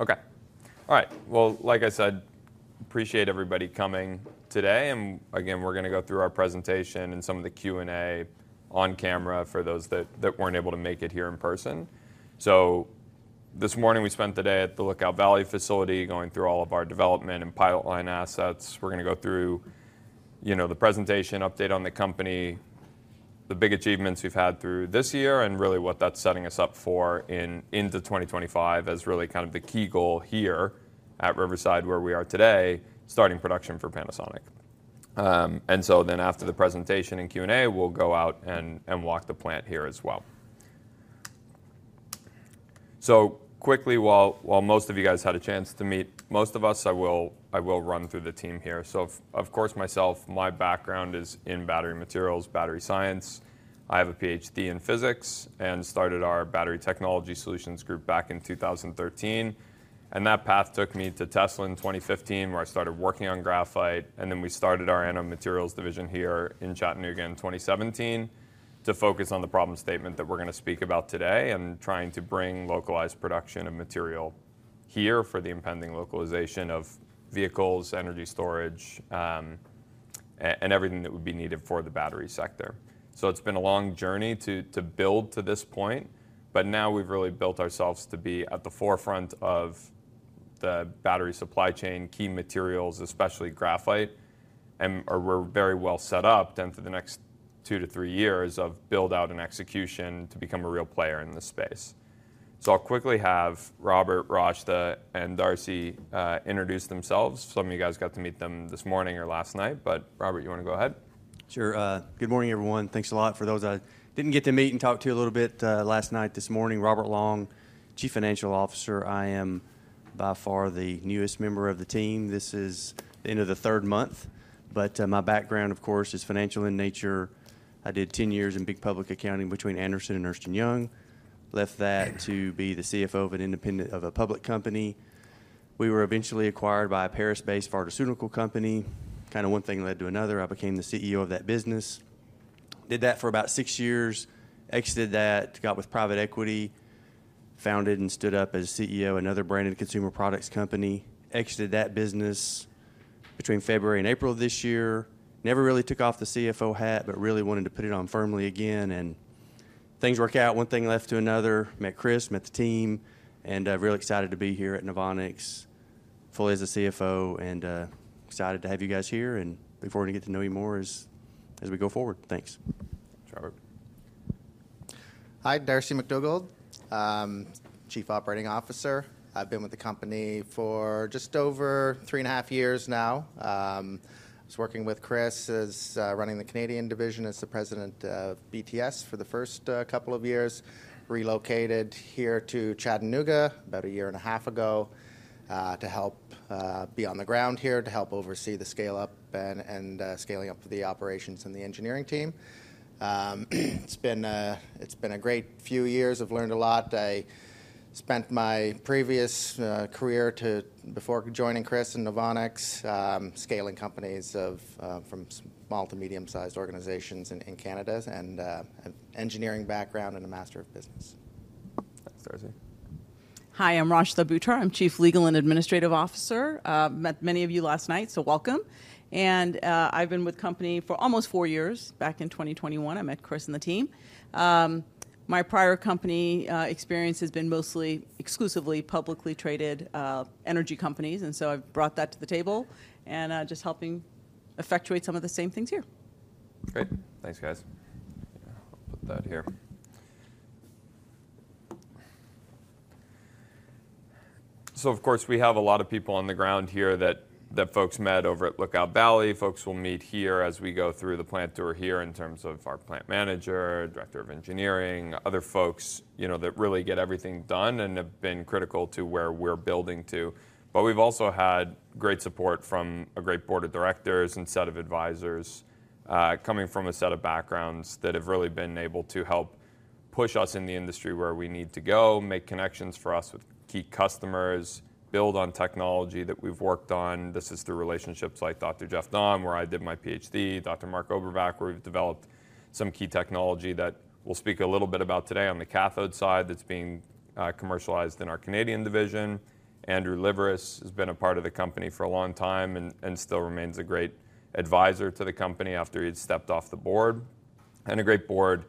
Okay. All right. Well, like I said, appreciate everybody coming today. And again, we're going to go through our presentation and some of the Q&A on camera for those that weren't able to make it here in person. So this morning, we spent the day at the Lookout Valley facility going through all of our development and pipeline assets. We're going to go through the presentation update on the company, the big achievements we've had through this year, and really what that's setting us up for into 2025 as really kind of the key goal here at Riverside, where we are today, starting production for Panasonic. And so then after the presentation and Q&A, we'll go out and walk the plant here as well. So quickly, while most of you guys had a chance to meet most of us, I will run through the team here. So, of course, myself, my background is in battery materials, battery science. I have a PhD in physics and started our Battery Technology Solutions group back in 2013. And that path took me to Tesla in 2015, where I started working on graphite. And then we started our anode materials division here in Chattanooga in 2017 to focus on the problem statement that we're going to speak about today and trying to bring localized production of material here for the impending localization of vehicles, energy storage, and everything that would be needed for the battery sector. So it's been a long journey to build to this point. But now we've really built ourselves to be at the forefront of the battery supply chain, key materials, especially graphite. And we're very well set up for the next two to three years of build-out and execution to become a real player in this space. So I'll quickly have Robert, Rashda, and Darcy introduce themselves. Some of you guys got to meet them this morning or last night. But Robert, you want to go ahead? Sure. Good morning, everyone. Thanks a lot. For those I didn't get to meet and talk to a little bit last night, this morning, Robert Long, Chief Financial Officer. I am by far the newest member of the team. This is the end of the third month. But my background, of course, is financial in nature. I did 10 years in big public accounting between Arthur Andersen and Ernst & Young. Left that to be the CFO of an independent public company. We were eventually acquired by a Paris-based pharmaceutical company. Kind of one thing led to another. I became the CEO of that business. Did that for about six years. Exited that, got with private equity, founded and stood up as CEO another branded consumer products company. Exited that business between February and April of this year. Never really took off the CFO hat, but really wanted to put it on firmly again. And things work out one thing led to another. Met Chris, met the team. And I'm really excited to be here at Novonix fully as a CFO. And excited to have you guys here and look forward to getting to know you more as we go forward. Thanks. Robert. Hi, Darcy MacDougall, Chief Operating Officer. I've been with the company for just over three and a half years now. I was working with Chris as running the Canadian division as the president of BTS for the first couple of years. Relocated here to Chattanooga about a year and a half ago to help be on the ground here, to help oversee the scale-up and scaling up of the operations and the engineering team. It's been a great few years. I've learned a lot. I spent my previous career before joining Chris and Novonix scaling companies from small to medium-sized organizations in Canada and engineering background and a master of business. Thanks, Darcy. Hi, I'm Rashda Buttar. I'm Chief Legal and Administrative Officer. Met many of you last night, so welcome. And I've been with the company for almost four years. Back in 2021, I met Chris and the team. My prior company experience has been mostly exclusively publicly traded energy companies. And so I've brought that to the table and just helping effectuate some of the same things here. Great. Thanks, guys. I'll put that here. So of course, we have a lot of people on the ground here that folks met over at Lookout Valley. Folks will meet here as we go through the plant tour here in terms of our plant manager, director of engineering, other folks that really get everything done and have been critical to where we're building to. But we've also had great support from a great board of directors and set of advisors coming from a set of backgrounds that have really been able to help push us in the industry where we need to go, make connections for us with key customers, build on technology that we've worked on. This is through relationships like Dr. Jeff Dahn, where I did my PhD, Dr. Mark Obrovac, where we've developed some key technology that we'll speak a little bit about today on the cathode side that's being commercialized in our Canadian division. Andrew Liveris has been a part of the company for a long time and still remains a great advisor to the company after he had stepped off the board, and a great board,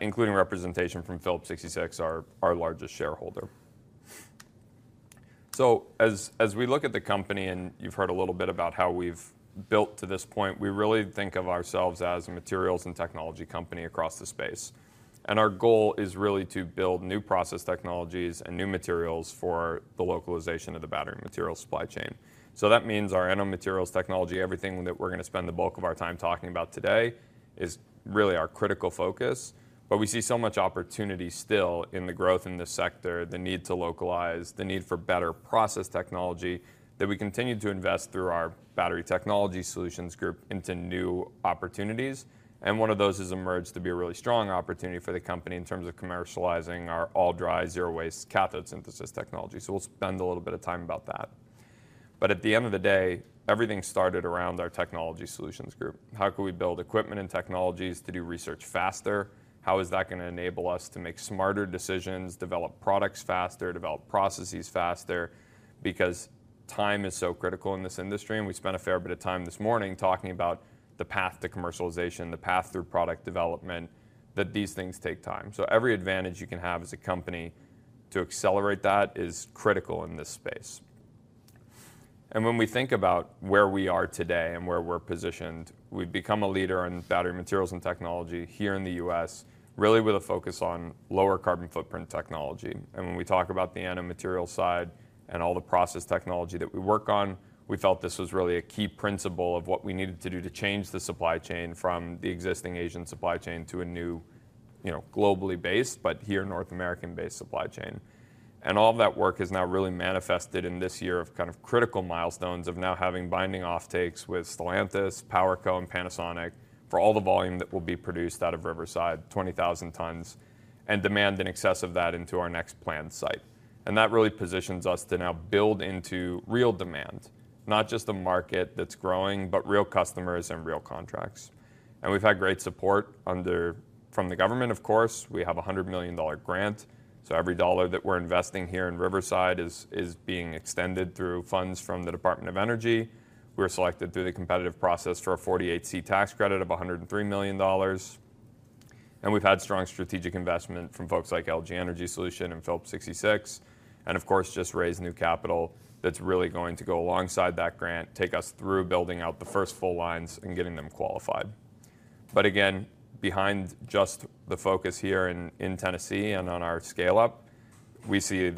including representation from Phillips 66, our largest shareholder, so as we look at the company, and you've heard a little bit about how we've built to this point, we really think of ourselves as a materials and technology company across the space, and our goal is really to build new process technologies and new materials for the localization of the battery material supply chain, so that means our NMC materials technology, everything that we're going to spend the bulk of our time talking about today, is really our critical focus. But we see so much opportunity still in the growth in this sector, the need to localize, the need for better process technology, that we continue to invest through our Battery Technology Solutions group into new opportunities. And one of those has emerged to be a really strong opportunity for the company in terms of commercializing our all-dry, zero-waste cathode synthesis technology. So we'll spend a little bit of time about that. But at the end of the day, everything started around our technology solutions group. How can we build equipment and technologies to do research faster? How is that going to enable us to make smarter decisions, develop products faster, develop processes faster? Because time is so critical in this industry. And we spent a fair bit of time this morning talking about the path to commercialization, the path through product development, that these things take time. So every advantage you can have as a company to accelerate that is critical in this space. And when we think about where we are today and where we're positioned, we've become a leader in battery materials and technology here in the U.S., really with a focus on lower carbon footprint technology. And when we talk about the NMC material side and all the process technology that we work on, we felt this was really a key principle of what we needed to do to change the supply chain from the existing Asian supply chain to a new globally based, but here North American-based supply chain. And all of that work has now really manifested in this year of kind of critical milestones of now having binding offtakes with Stellantis, PowerCo, and Panasonic for all the volume that will be produced out of Riverside, 20,000 tons, and demand in excess of that into our next plant site. And that really positions us to now build into real demand, not just a market that's growing, but real customers and real contracts. And we've had great support from the government, of course. We have a $100 million grant. So every dollar that we're investing here in Riverside is being extended through funds from the Department of Energy. We were selected through the competitive process for a 48C tax credit of $103 million. And we've had strong strategic investment from folks like LG Energy Solution and Phillips 66. And of course, just raised new capital that's really going to go alongside that grant, take us through building out the first full lines and getting them qualified. But again, behind just the focus here in Tennessee and on our scale-up, we see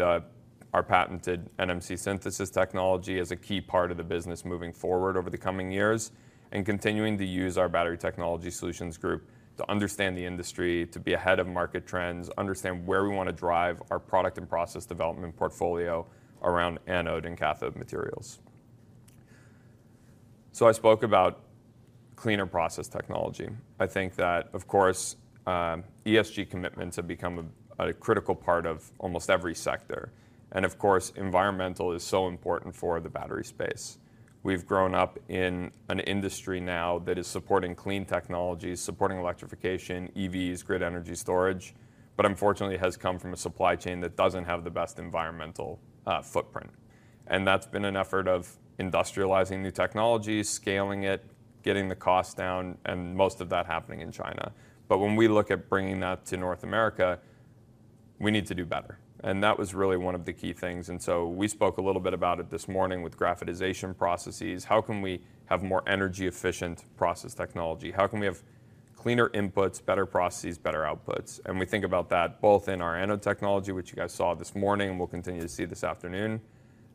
our patented NMC synthesis technology as a key part of the business moving forward over the coming years and continuing to use our Battery Technology Solutions group to understand the industry, to be ahead of market trends, understand where we want to drive our product and process development portfolio around anode and cathode materials. So I spoke about cleaner process technology. I think that, of course, ESG commitments have become a critical part of almost every sector. And of course, environmental is so important for the battery space. We've grown up in an industry now that is supporting clean technologies, supporting electrification, EVs, grid energy storage, but unfortunately has come from a supply chain that doesn't have the best environmental footprint, and that's been an effort of industrializing new technologies, scaling it, getting the cost down, and most of that happening in China, but when we look at bringing that to North America, we need to do better, and that was really one of the key things, and so we spoke a little bit about it this morning with graphitization processes. How can we have more energy-efficient process technology? How can we have cleaner inputs, better processes, better outputs? And we think about that both in our anode technology, which you guys saw this morning and will continue to see this afternoon,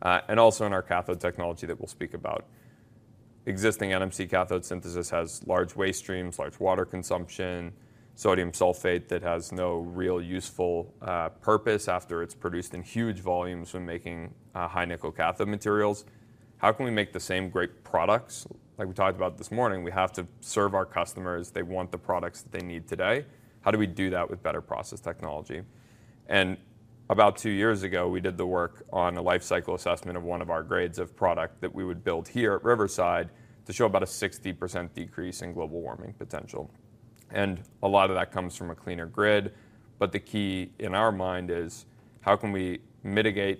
and also in our cathode technology that we'll speak about. Existing NMC cathode synthesis has large waste streams, large water consumption, sodium sulfate that has no real useful purpose after it's produced in huge volumes when making high-nickel cathode materials. How can we make the same great products like we talked about this morning? We have to serve our customers. They want the products that they need today. How do we do that with better process technology? And about two years ago, we did the work on a life cycle assessment of one of our grades of product that we would build here at Riverside to show about a 60% decrease in global warming potential. And a lot of that comes from a cleaner grid. But the key in our mind is how can we mitigate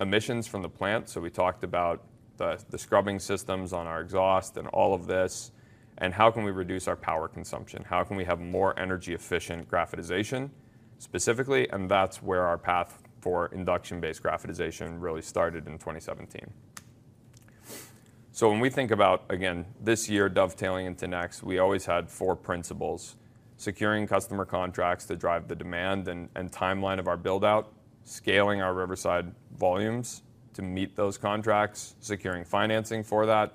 emissions from the plant? So we talked about the scrubbing systems on our exhaust and all of this. And how can we reduce our power consumption? How can we have more energy-efficient graphitization specifically? And that's where our path for induction-based graphitization really started in 2017. So when we think about, again, this year dovetailing into next, we always had four principles: securing customer contracts to drive the demand and timeline of our build-out, scaling our Riverside volumes to meet those contracts, securing financing for that,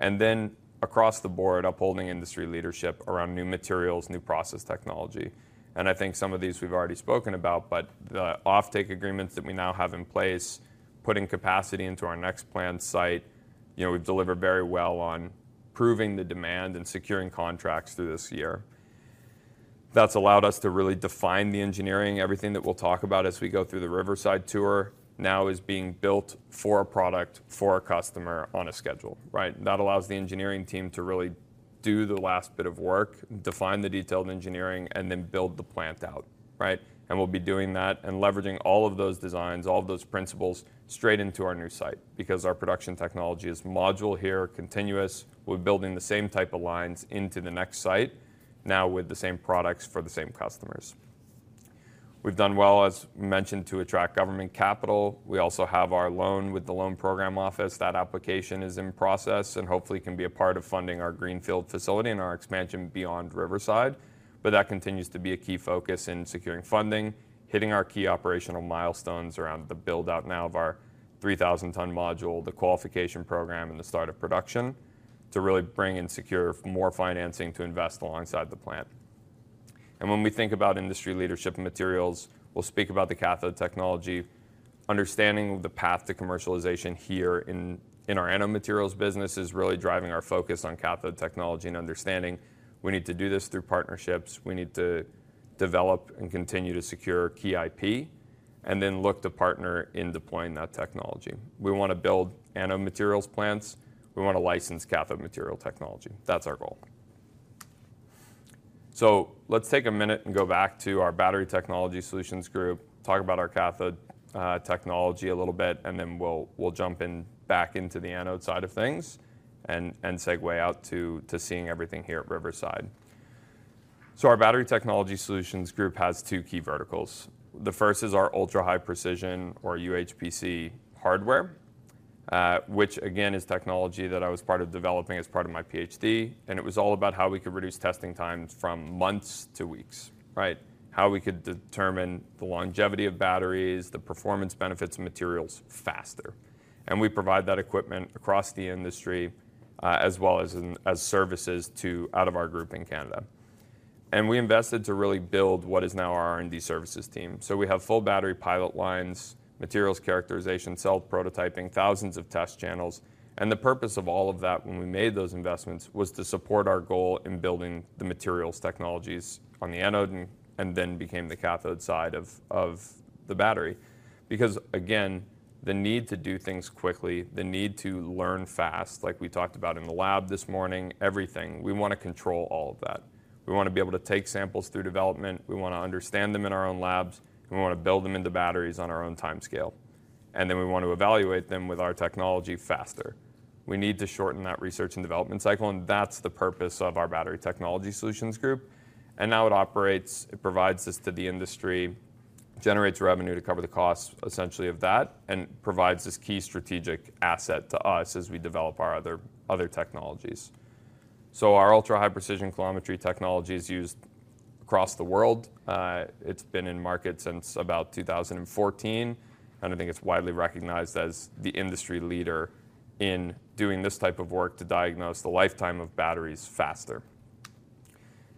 and then across the board, upholding industry leadership around new materials, new process technology. And I think some of these we've already spoken about, but the offtake agreements that we now have in place, putting capacity into our next plant site, we've delivered very well on proving the demand and securing contracts through this year. That's allowed us to really define the engineering. Everything that we'll talk about as we go through the Riverside tour now is being built for a product, for a customer on a schedule. That allows the engineering team to really do the last bit of work, define the detailed engineering, and then build the plant out. And we'll be doing that and leveraging all of those designs, all of those principles straight into our new site because our production technology is modular here, continuous. We're building the same type of lines into the next site now with the same products for the same customers. We've done well, as mentioned, to attract government capital. We also have our loan with the Loan Programs Office. That application is in process and hopefully can be a part of funding our greenfield facility and our expansion beyond Riverside. But that continues to be a key focus in securing funding, hitting our key operational milestones around the build-out now of our 3,000-ton module, the qualification program, and the start of production to really bring and secure more financing to invest alongside the plant. And when we think about industry leadership and materials, we'll speak about the cathode technology. Understanding the path to commercialization here in our NMC materials business is really driving our focus on cathode technology and understanding we need to do this through partnerships. We need to develop and continue to secure key IP and then look to partner in deploying that technology. We want to build NMC materials plants. We want to license cathode material technology. That's our goal. So let's take a minute and go back to our Battery Technology Solutions group, talk about our cathode technology a little bit, and then we'll jump back into the anode side of things and segue out to seeing everything here at Riverside. Our Battery Technology Solutions group has two key verticals. The first is our ultra-high precision or UHPC hardware, which again is technology that I was part of developing as part of my PhD. And it was all about how we could reduce testing times from months to weeks, how we could determine the longevity of batteries, the performance benefits of materials faster. And we provide that equipment across the industry as well as services out of our group in Canada. And we invested to really build what is now our R&D services team. We have full battery pilot lines, materials characterization, cell prototyping, thousands of test channels. The purpose of all of that when we made those investments was to support our goal in building the materials technologies on the anode and then became the cathode side of the battery. Because again, the need to do things quickly, the need to learn fast, like we talked about in the lab this morning, everything. We want to control all of that. We want to be able to take samples through development. We want to understand them in our own labs. We want to build them into batteries on our own timescale. Then we want to evaluate them with our technology faster. We need to shorten that research and development cycle. That's the purpose of our Battery Technology Solutions group. Now it operates. It provides this to the industry, generates revenue to cover the cost essentially of that, and provides this key strategic asset to us as we develop our other technologies. So our ultra-high precision coulometry technology is used across the world. It's been in market since about 2014. And I think it's widely recognized as the industry leader in doing this type of work to diagnose the lifetime of batteries faster.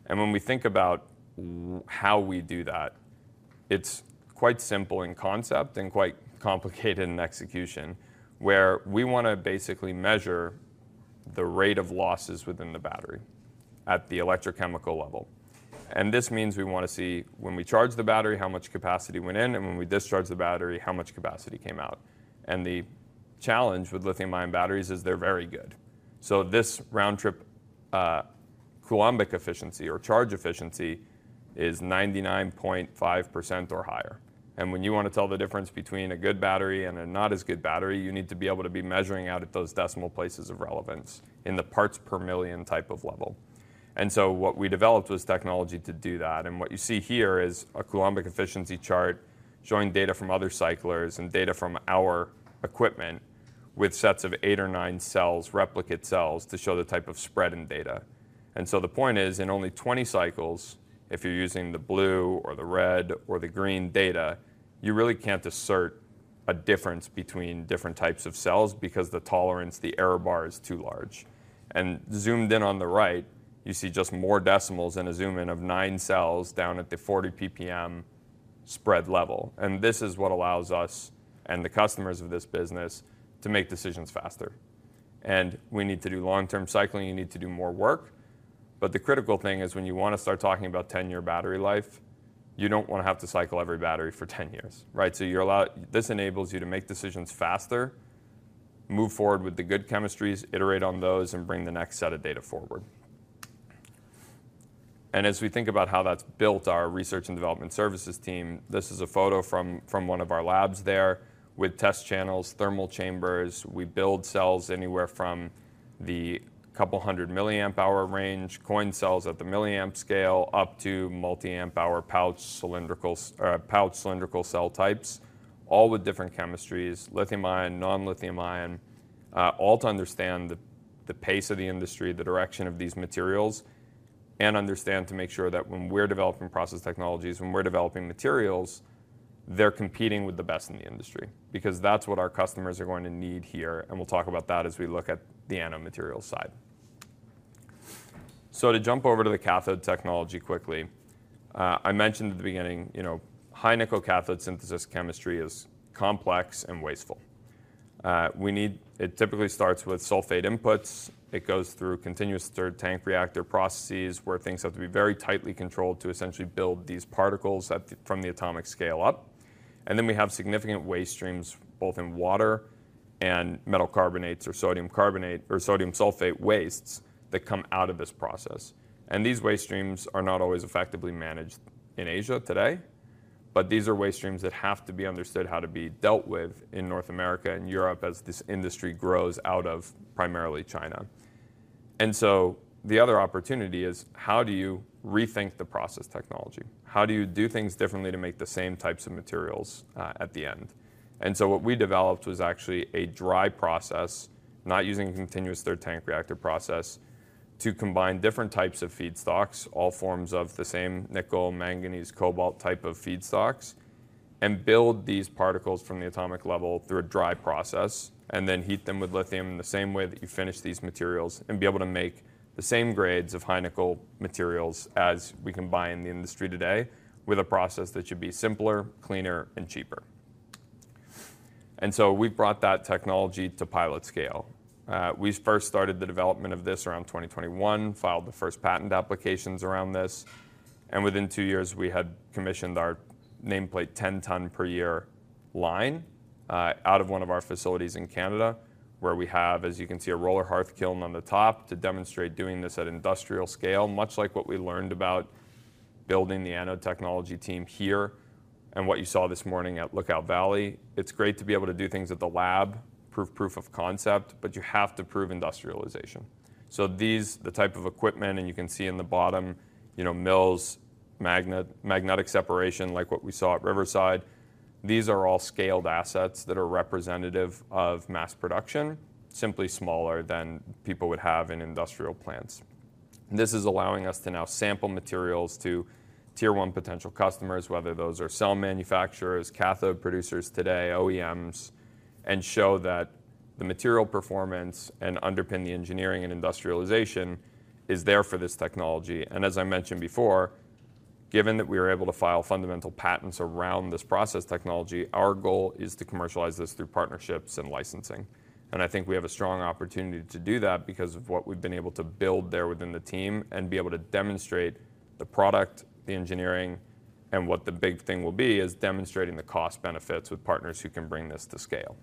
And when we think about how we do that, it's quite simple in concept and quite complicated in execution, where we want to basically measure the rate of losses within the battery at the electrochemical level. And this means we want to see when we charge the battery, how much capacity went in, and when we discharge the battery, how much capacity came out. And the challenge with lithium-ion batteries is they're very good. So this round trip coulombic efficiency or charge efficiency is 99.5% or higher. And when you want to tell the difference between a good battery and a not-as-good battery, you need to be able to be measuring out at those decimal places of relevance in the parts per million type of level. And so what we developed was technology to do that. And what you see here is a coulombic efficiency chart showing data from other cyclers and data from our equipment with sets of eight or nine cells, replicate cells to show the type of spread in data. And so the point is, in only 20 cycles, if you're using the blue or the red or the green data, you really can't assert a difference between different types of cells because the tolerance, the error bar is too large. And zoomed in on the right, you see just more decimals and a zoom-in of nine cells down at the 40 ppm spread level. And this is what allows us and the customers of this business to make decisions faster. And we need to do long-term cycling. You need to do more work. But the critical thing is when you want to start talking about 10-year battery life, you don't want to have to cycle every battery for 10 years. So this enables you to make decisions faster, move forward with the good chemistries, iterate on those, and bring the next set of data forward. And as we think about how that's built, our research and development services team, this is a photo from one of our labs there with test channels, thermal chambers. We build cells anywhere from the couple hundred milliamp-hour range, coin cells at the milliamp scale up to multi-amp-hour pouch cylindrical cell types, all with different chemistries, lithium-ion, non-lithium-ion, all to understand the pace of the industry, the direction of these materials, and understand to make sure that when we're developing process technologies, when we're developing materials, they're competing with the best in the industry because that's what our customers are going to need here. We'll talk about that as we look at the NMC materials side. To jump over to the cathode technology quickly, I mentioned at the beginning high-nickel cathode synthesis chemistry is complex and wasteful. It typically starts with sulfate inputs. It goes through continuous stirred-tank reactor processes where things have to be very tightly controlled to essentially build these particles from the atomic scale up. And then we have significant waste streams both in water and metal carbonates or sodium sulfate wastes that come out of this process. And these waste streams are not always effectively managed in Asia today, but these are waste streams that have to be understood how to be dealt with in North America and Europe as this industry grows out of primarily China. And so the other opportunity is how do you rethink the process technology? How do you do things differently to make the same types of materials at the end? What we developed was actually a dry process, not using a continuous stirred-tank reactor process, to combine different types of feedstocks, all forms of the same nickel, manganese, cobalt type of feedstocks, and build these particles from the atomic level through a dry process and then heat them with lithium in the same way that you finish these materials and be able to make the same grades of high-nickel materials as we combine in the industry today with a process that should be simpler, cleaner, and cheaper. We have brought that technology to pilot scale. We first started the development of this around 2021, filed the first patent applications around this. Within two years, we had commissioned our nameplate 10-ton per year line out of one of our facilities in Canada where we have, as you can see, a roller hearth kiln on the top to demonstrate doing this at industrial scale, much like what we learned about building the anode technology team here and what you saw this morning at Lookout Valley. It's great to be able to do things at the lab, prove proof of concept, but you have to prove industrialization. The type of equipment, and you can see in the bottom, mills, magnetic separation like what we saw at Riverside, these are all scaled assets that are representative of mass production, simply smaller than people would have in industrial plants. This is allowing us to now sample materials to Tier 1 potential customers, whether those are cell manufacturers, cathode producers today, OEMs, and show that the material performance and underpin the engineering and industrialization is there for this technology. And as I mentioned before, given that we are able to file fundamental patents around this process technology, our goal is to commercialize this through partnerships and licensing. And I think we have a strong opportunity to do that because of what we've been able to build there within the team and be able to demonstrate the product, the engineering, and what the big thing will be is demonstrating the cost benefits with partners who can bring this to scale.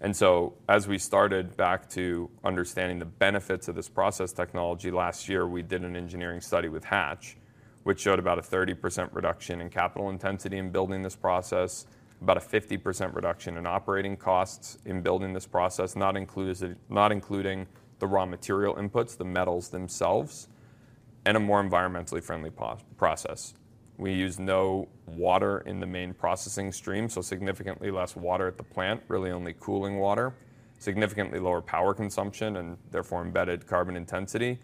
And so as we started back to understanding the benefits of this process technology, last year, we did an engineering study with Hatch, which showed about a 30% reduction in capital intensity in building this process, about a 50% reduction in operating costs in building this process, not including the raw material inputs, the metals themselves, and a more environmentally friendly process. We use no water in the main processing stream, so significantly less water at the plant, really only cooling water, significantly lower power consumption and therefore embedded carbon intensity,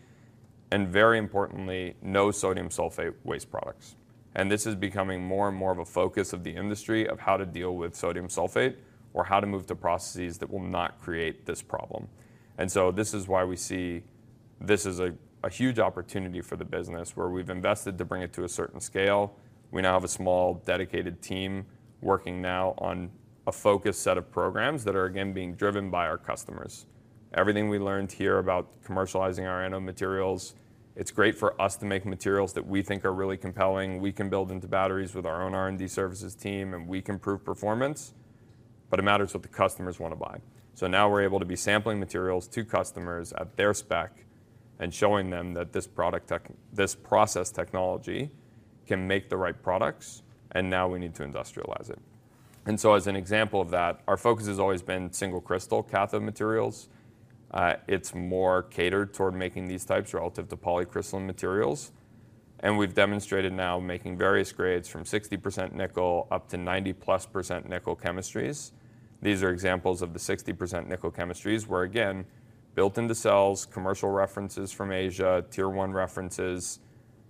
and very importantly, no sodium sulfate waste products. And this is becoming more and more of a focus of the industry of how to deal with sodium sulfate or how to move to processes that will not create this problem. And so this is why we see this as a huge opportunity for the business where we've invested to bring it to a certain scale. We now have a small dedicated team working now on a focused set of programs that are again being driven by our customers. Everything we learned here about commercializing our anode materials, it's great for us to make materials that we think are really compelling. We can build into batteries with our own R&D services team, and we can prove performance, but it matters what the customers want to buy. So now we're able to be sampling materials to customers at their spec and showing them that this process technology can make the right products, and now we need to industrialize it. And so as an example of that, our focus has always been single crystal cathode materials. It's more catered toward making these types relative to polycrystalline materials. And we've demonstrated now making various grades from 60% nickel up to 90+% nickel chemistries. These are examples of the 60% nickel chemistries where, again, built into cells, commercial references from Asia, Tier 1 references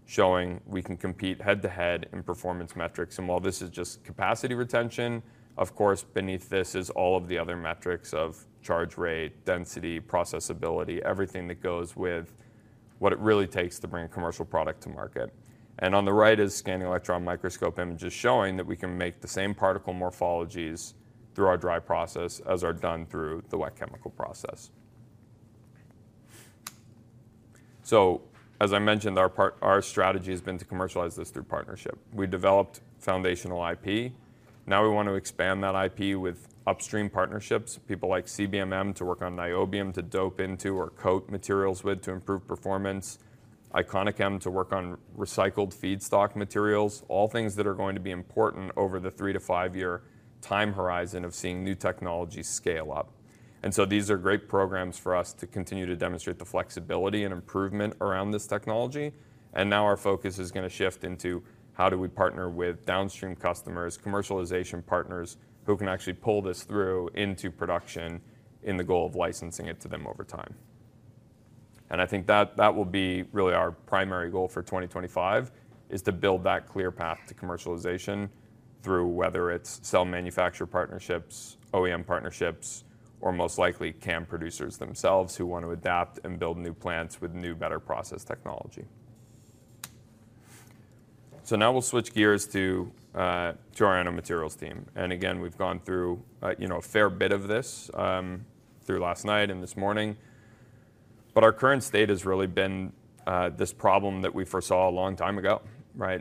showing we can compete head-to-head in performance metrics. And while this is just capacity retention, of course, beneath this is all of the other metrics of charge rate, density, processability, everything that goes with what it really takes to bring a commercial product to market. And on the right is scanning electron microscope images showing that we can make the same particle morphologies through our dry process as are done through the wet chemical process. So as I mentioned, our strategy has been to commercialize this through partnership. We developed foundational IP. Now we want to expand that IP with upstream partnerships, people like CBMM to work on niobium to dope into or coat materials with to improve performance, ICoNiChem to work on recycled feedstock materials, all things that are going to be important over the three to five-year time horizon of seeing new technology scale up. And so these are great programs for us to continue to demonstrate the flexibility and improvement around this technology. And now our focus is going to shift into how do we partner with downstream customers, commercialization partners who can actually pull this through into production in the goal of licensing it to them over time. I think that that will be really our primary goal for 2025: to build that clear path to commercialization through whether it's cell manufacturer partnerships, OEM partnerships, or most likely CAM producers themselves who want to adapt and build new plants with new, better process technology. So now we'll switch gears to our anode materials team. And again, we've gone through a fair bit of this through last night and this morning. But our current state has really been this problem that we foresaw a long time ago.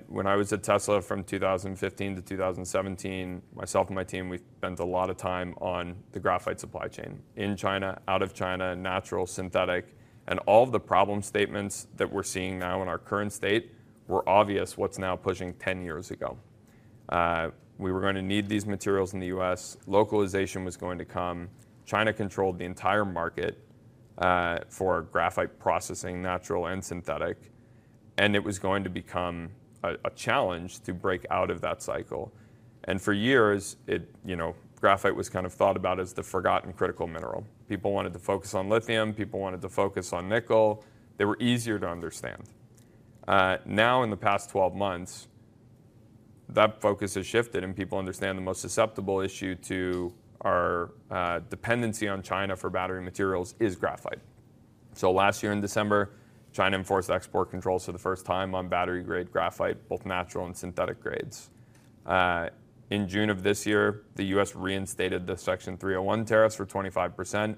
When I was at Tesla from 2015 to 2017, myself and my team, we spent a lot of time on the graphite supply chain in China, out of China, natural, synthetic. And all of the problem statements that we're seeing now in our current state were obvious what's now pushing 10 years ago. We were going to need these materials in the U.S. Localization was going to come. China controlled the entire market for graphite processing, natural and synthetic. It was going to become a challenge to break out of that cycle. For years, graphite was kind of thought about as the forgotten critical mineral. People wanted to focus on lithium. People wanted to focus on nickel. They were easier to understand. Now, in the past 12 months, that focus has shifted, and people understand the most susceptible issue to our dependency on China for battery materials is graphite. Last year in December, China enforced export controls for the first time on battery-grade graphite, both natural and synthetic grades. In June of this year, the U.S. reinstated the Section 301 tariffs for 25%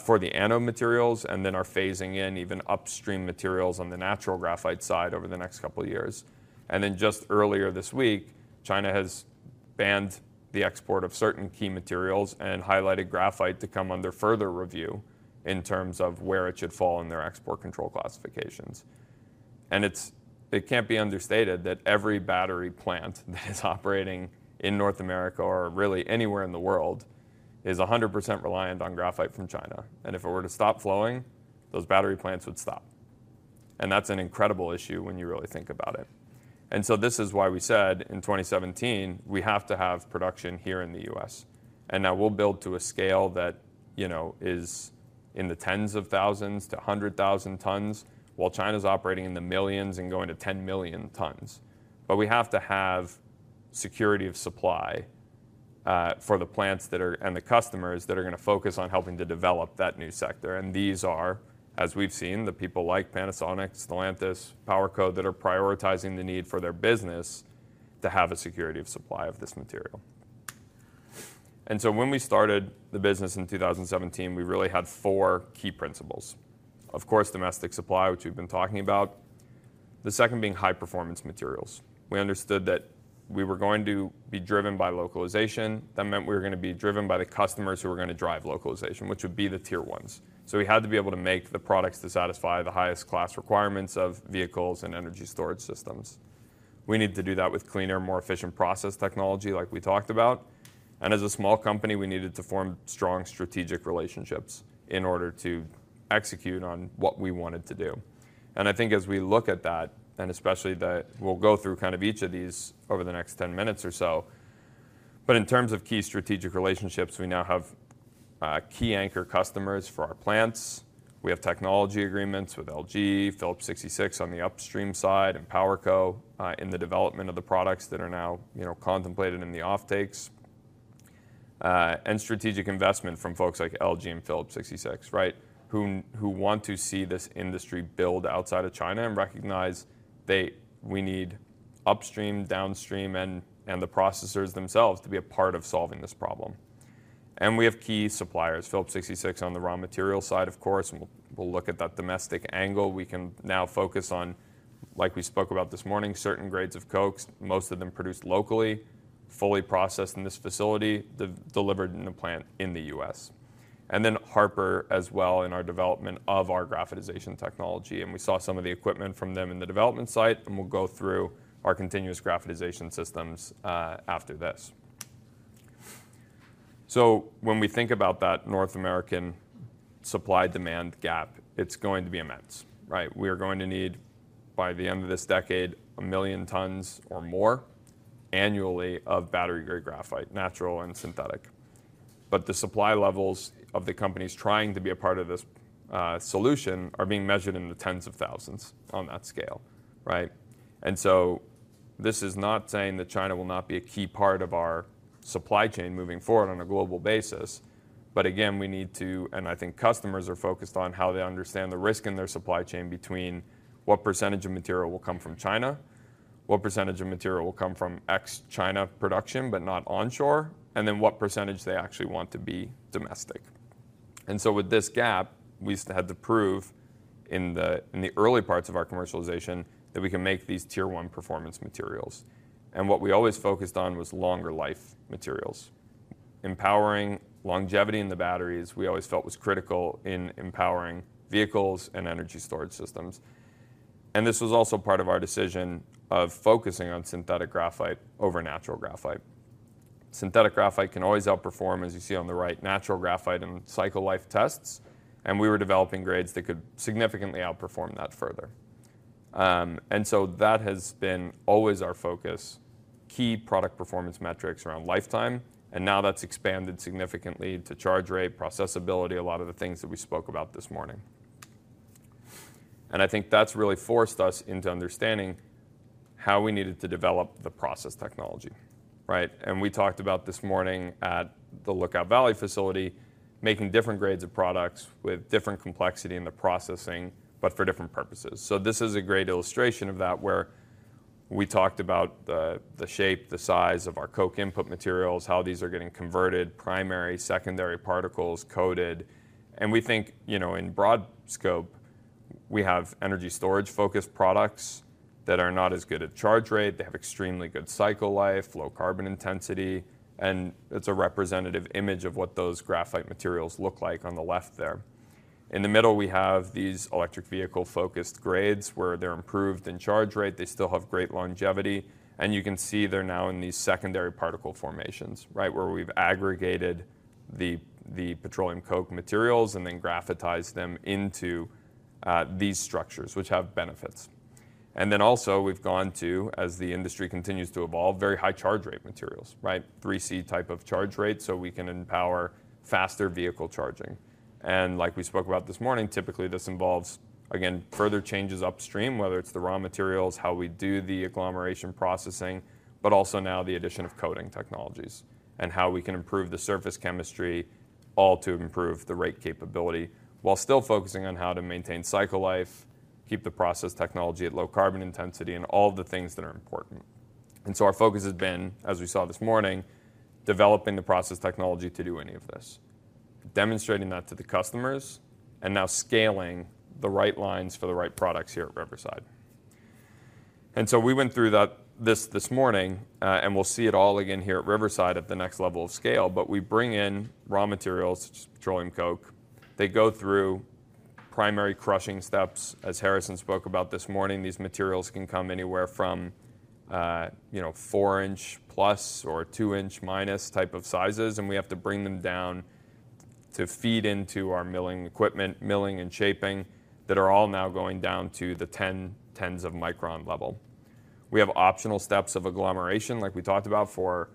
for the anode materials and then are phasing in even upstream materials on the natural graphite side over the next couple of years. And then just earlier this week, China has banned the export of certain key materials and highlighted graphite to come under further review in terms of where it should fall in their export control classifications. And it can't be understated that every battery plant that is operating in North America or really anywhere in the world is 100% reliant on graphite from China. And if it were to stop flowing, those battery plants would stop. And that's an incredible issue when you really think about it. And so this is why we said in 2017, we have to have production here in the U.S. And now we'll build to a scale that is in the tens of thousands to hundred thousand tons while China's operating in the millions and going to 10 million tons. But we have to have security of supply for the plants and the customers that are going to focus on helping to develop that new sector. And these are, as we've seen, the people like Panasonic, Stellantis, PowerCo that are prioritizing the need for their business to have a security of supply of this material. And so when we started the business in 2017, we really had four key principles. Of course, domestic supply, which we've been talking about. The second being high-performance materials. We understood that we were going to be driven by localization. That meant we were going to be driven by the customers who were going to drive localization, which would be the Tier 1. So we had to be able to make the products to satisfy the highest class requirements of vehicles and energy storage systems. We need to do that with cleaner, more efficient process technology like we talked about. And as a small company, we needed to form strong strategic relationships in order to execute on what we wanted to do. And I think as we look at that, and especially that we'll go through kind of each of these over the next 10 minutes or so, but in terms of key strategic relationships, we now have key anchor customers for our plants. We have technology agreements with LG, Philips 66 on the upstream side, and PowerCo in the development of the products that are now contemplated in the offtakes. And strategic investment from folks like LG and Phillips 66, right, who want to see this industry build outside of China and recognize we need upstream, downstream, and the processors themselves to be a part of solving this problem. And we have key suppliers, Phillips 66 on the raw material side, of course. We'll look at that domestic angle. We can now focus on, like we spoke about this morning, certain grades of cokes, most of them produced locally, fully processed in this facility, delivered in the plant in the U.S. And then Harper as well in our development of our graphitization technology. And we saw some of the equipment from them in the development site, and we'll go through our continuous graphitization systems after this. So when we think about that North American supply demand gap, it's going to be immense, right? We are going to need, by the end of this decade, a million tons or more annually of battery-grade graphite, natural and synthetic. But the supply levels of the companies trying to be a part of this solution are being measured in the tens of thousands on that scale, right? And so this is not saying that China will not be a key part of our supply chain moving forward on a global basis. But again, we need to, and I think customers are focused on how they understand the risk in their supply chain between what percentage of material will come from China, what percentage of material will come from ex-China production, but not onshore, and then what percentage they actually want to be domestic. And so with this gap, we had to prove in the early parts of our commercialization that we can make these Tier 1 performance materials. And what we always focused on was longer life materials. Empowering longevity in the batteries, we always felt was critical in empowering vehicles and energy storage systems. And this was also part of our decision of focusing on synthetic graphite over natural graphite. Synthetic graphite can always outperform, as you see on the right, natural graphite in cycle life tests. And we were developing grades that could significantly outperform that further. And so that has been always our focus, key product performance metrics around lifetime. And now that's expanded significantly to charge rate, processability, a lot of the things that we spoke about this morning. And I think that's really forced us into understanding how we needed to develop the process technology, right? And we talked about this morning at the Lookout Valley facility making different grades of products with different complexity in the processing, but for different purposes. So this is a great illustration of that where we talked about the shape, the size of our coke input materials, how these are getting converted, primary, secondary particles, coated. And we think in broad scope, we have energy storage-focused products that are not as good at charge rate. They have extremely good cycle life, low carbon intensity. And it's a representative image of what those graphite materials look like on the left there. In the middle, we have these electric vehicle-focused grades where they're improved in charge rate. They still have great longevity. And you can see they're now in these secondary particle formations, right, where we've aggregated the petroleum coke materials and then graphitized them into these structures, which have benefits. And then also we've gone to, as the industry continues to evolve, very high charge rate materials, right, 3C type of charge rate so we can empower faster vehicle charging. And like we spoke about this morning, typically this involves, again, further changes upstream, whether it's the raw materials, how we do the agglomeration processing, but also now the addition of coating technologies and how we can improve the surface chemistry all to improve the rate capability while still focusing on how to maintain cycle life, keep the process technology at low carbon intensity, and all of the things that are important. And so our focus has been, as we saw this morning, developing the process technology to do any of this, demonstrating that to the customers, and now scaling the right lines for the right products here at Riverside. And so we went through this morning, and we'll see it all again here at Riverside at the next level of scale. But we bring in raw materials, which is petroleum coke. They go through primary crushing steps. As Harrison spoke about this morning, these materials can come anywhere from four-inch plus or two-inch minus type of sizes. And we have to bring them down to feed into our milling equipment, milling and shaping that are all now going down to the tens of micron level. We have optional steps of agglomeration, like we talked about for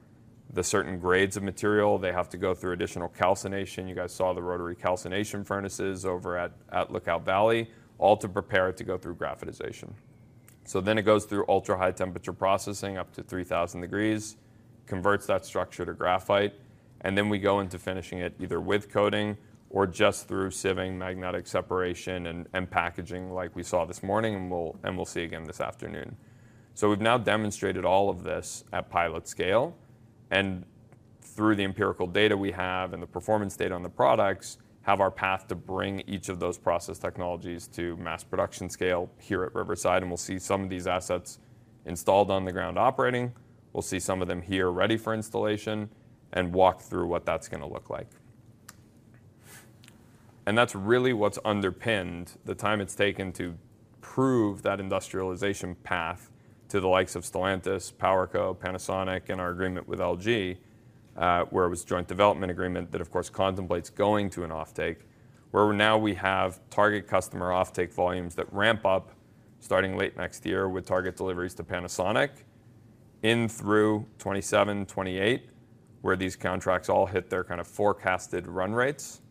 the certain grades of material. They have to go through additional calcination. You guys saw the rotary calcination furnaces over at Lookout Valley, all to prepare it to go through graphitization. So then it goes through ultra-high temperature processing up to 3,000 degrees, converts that structure to graphite. And then we go into finishing it either with coating or just through sieving, magnetic separation, and packaging like we saw this morning, and we'll see again this afternoon. So we've now demonstrated all of this at pilot scale. And through the empirical data we have and the performance data on the products have our path to bring each of those process technologies to mass production scale here at Riverside. And we'll see some of these assets installed on the ground operating. We'll see some of them here ready for installation and walk through what that's going to look like. And that's really what's underpinned the time it's taken to prove that industrialization path to the likes of Stellantis, PowerCo, Panasonic, and our agreement with LG, where it was a joint development agreement that, of course, contemplates going to an offtake, where now we have target customer offtake volumes that ramp up starting late next year with target deliveries to Panasonic in through 2027, 2028, where these contracts all hit their kind of forecasted run rates,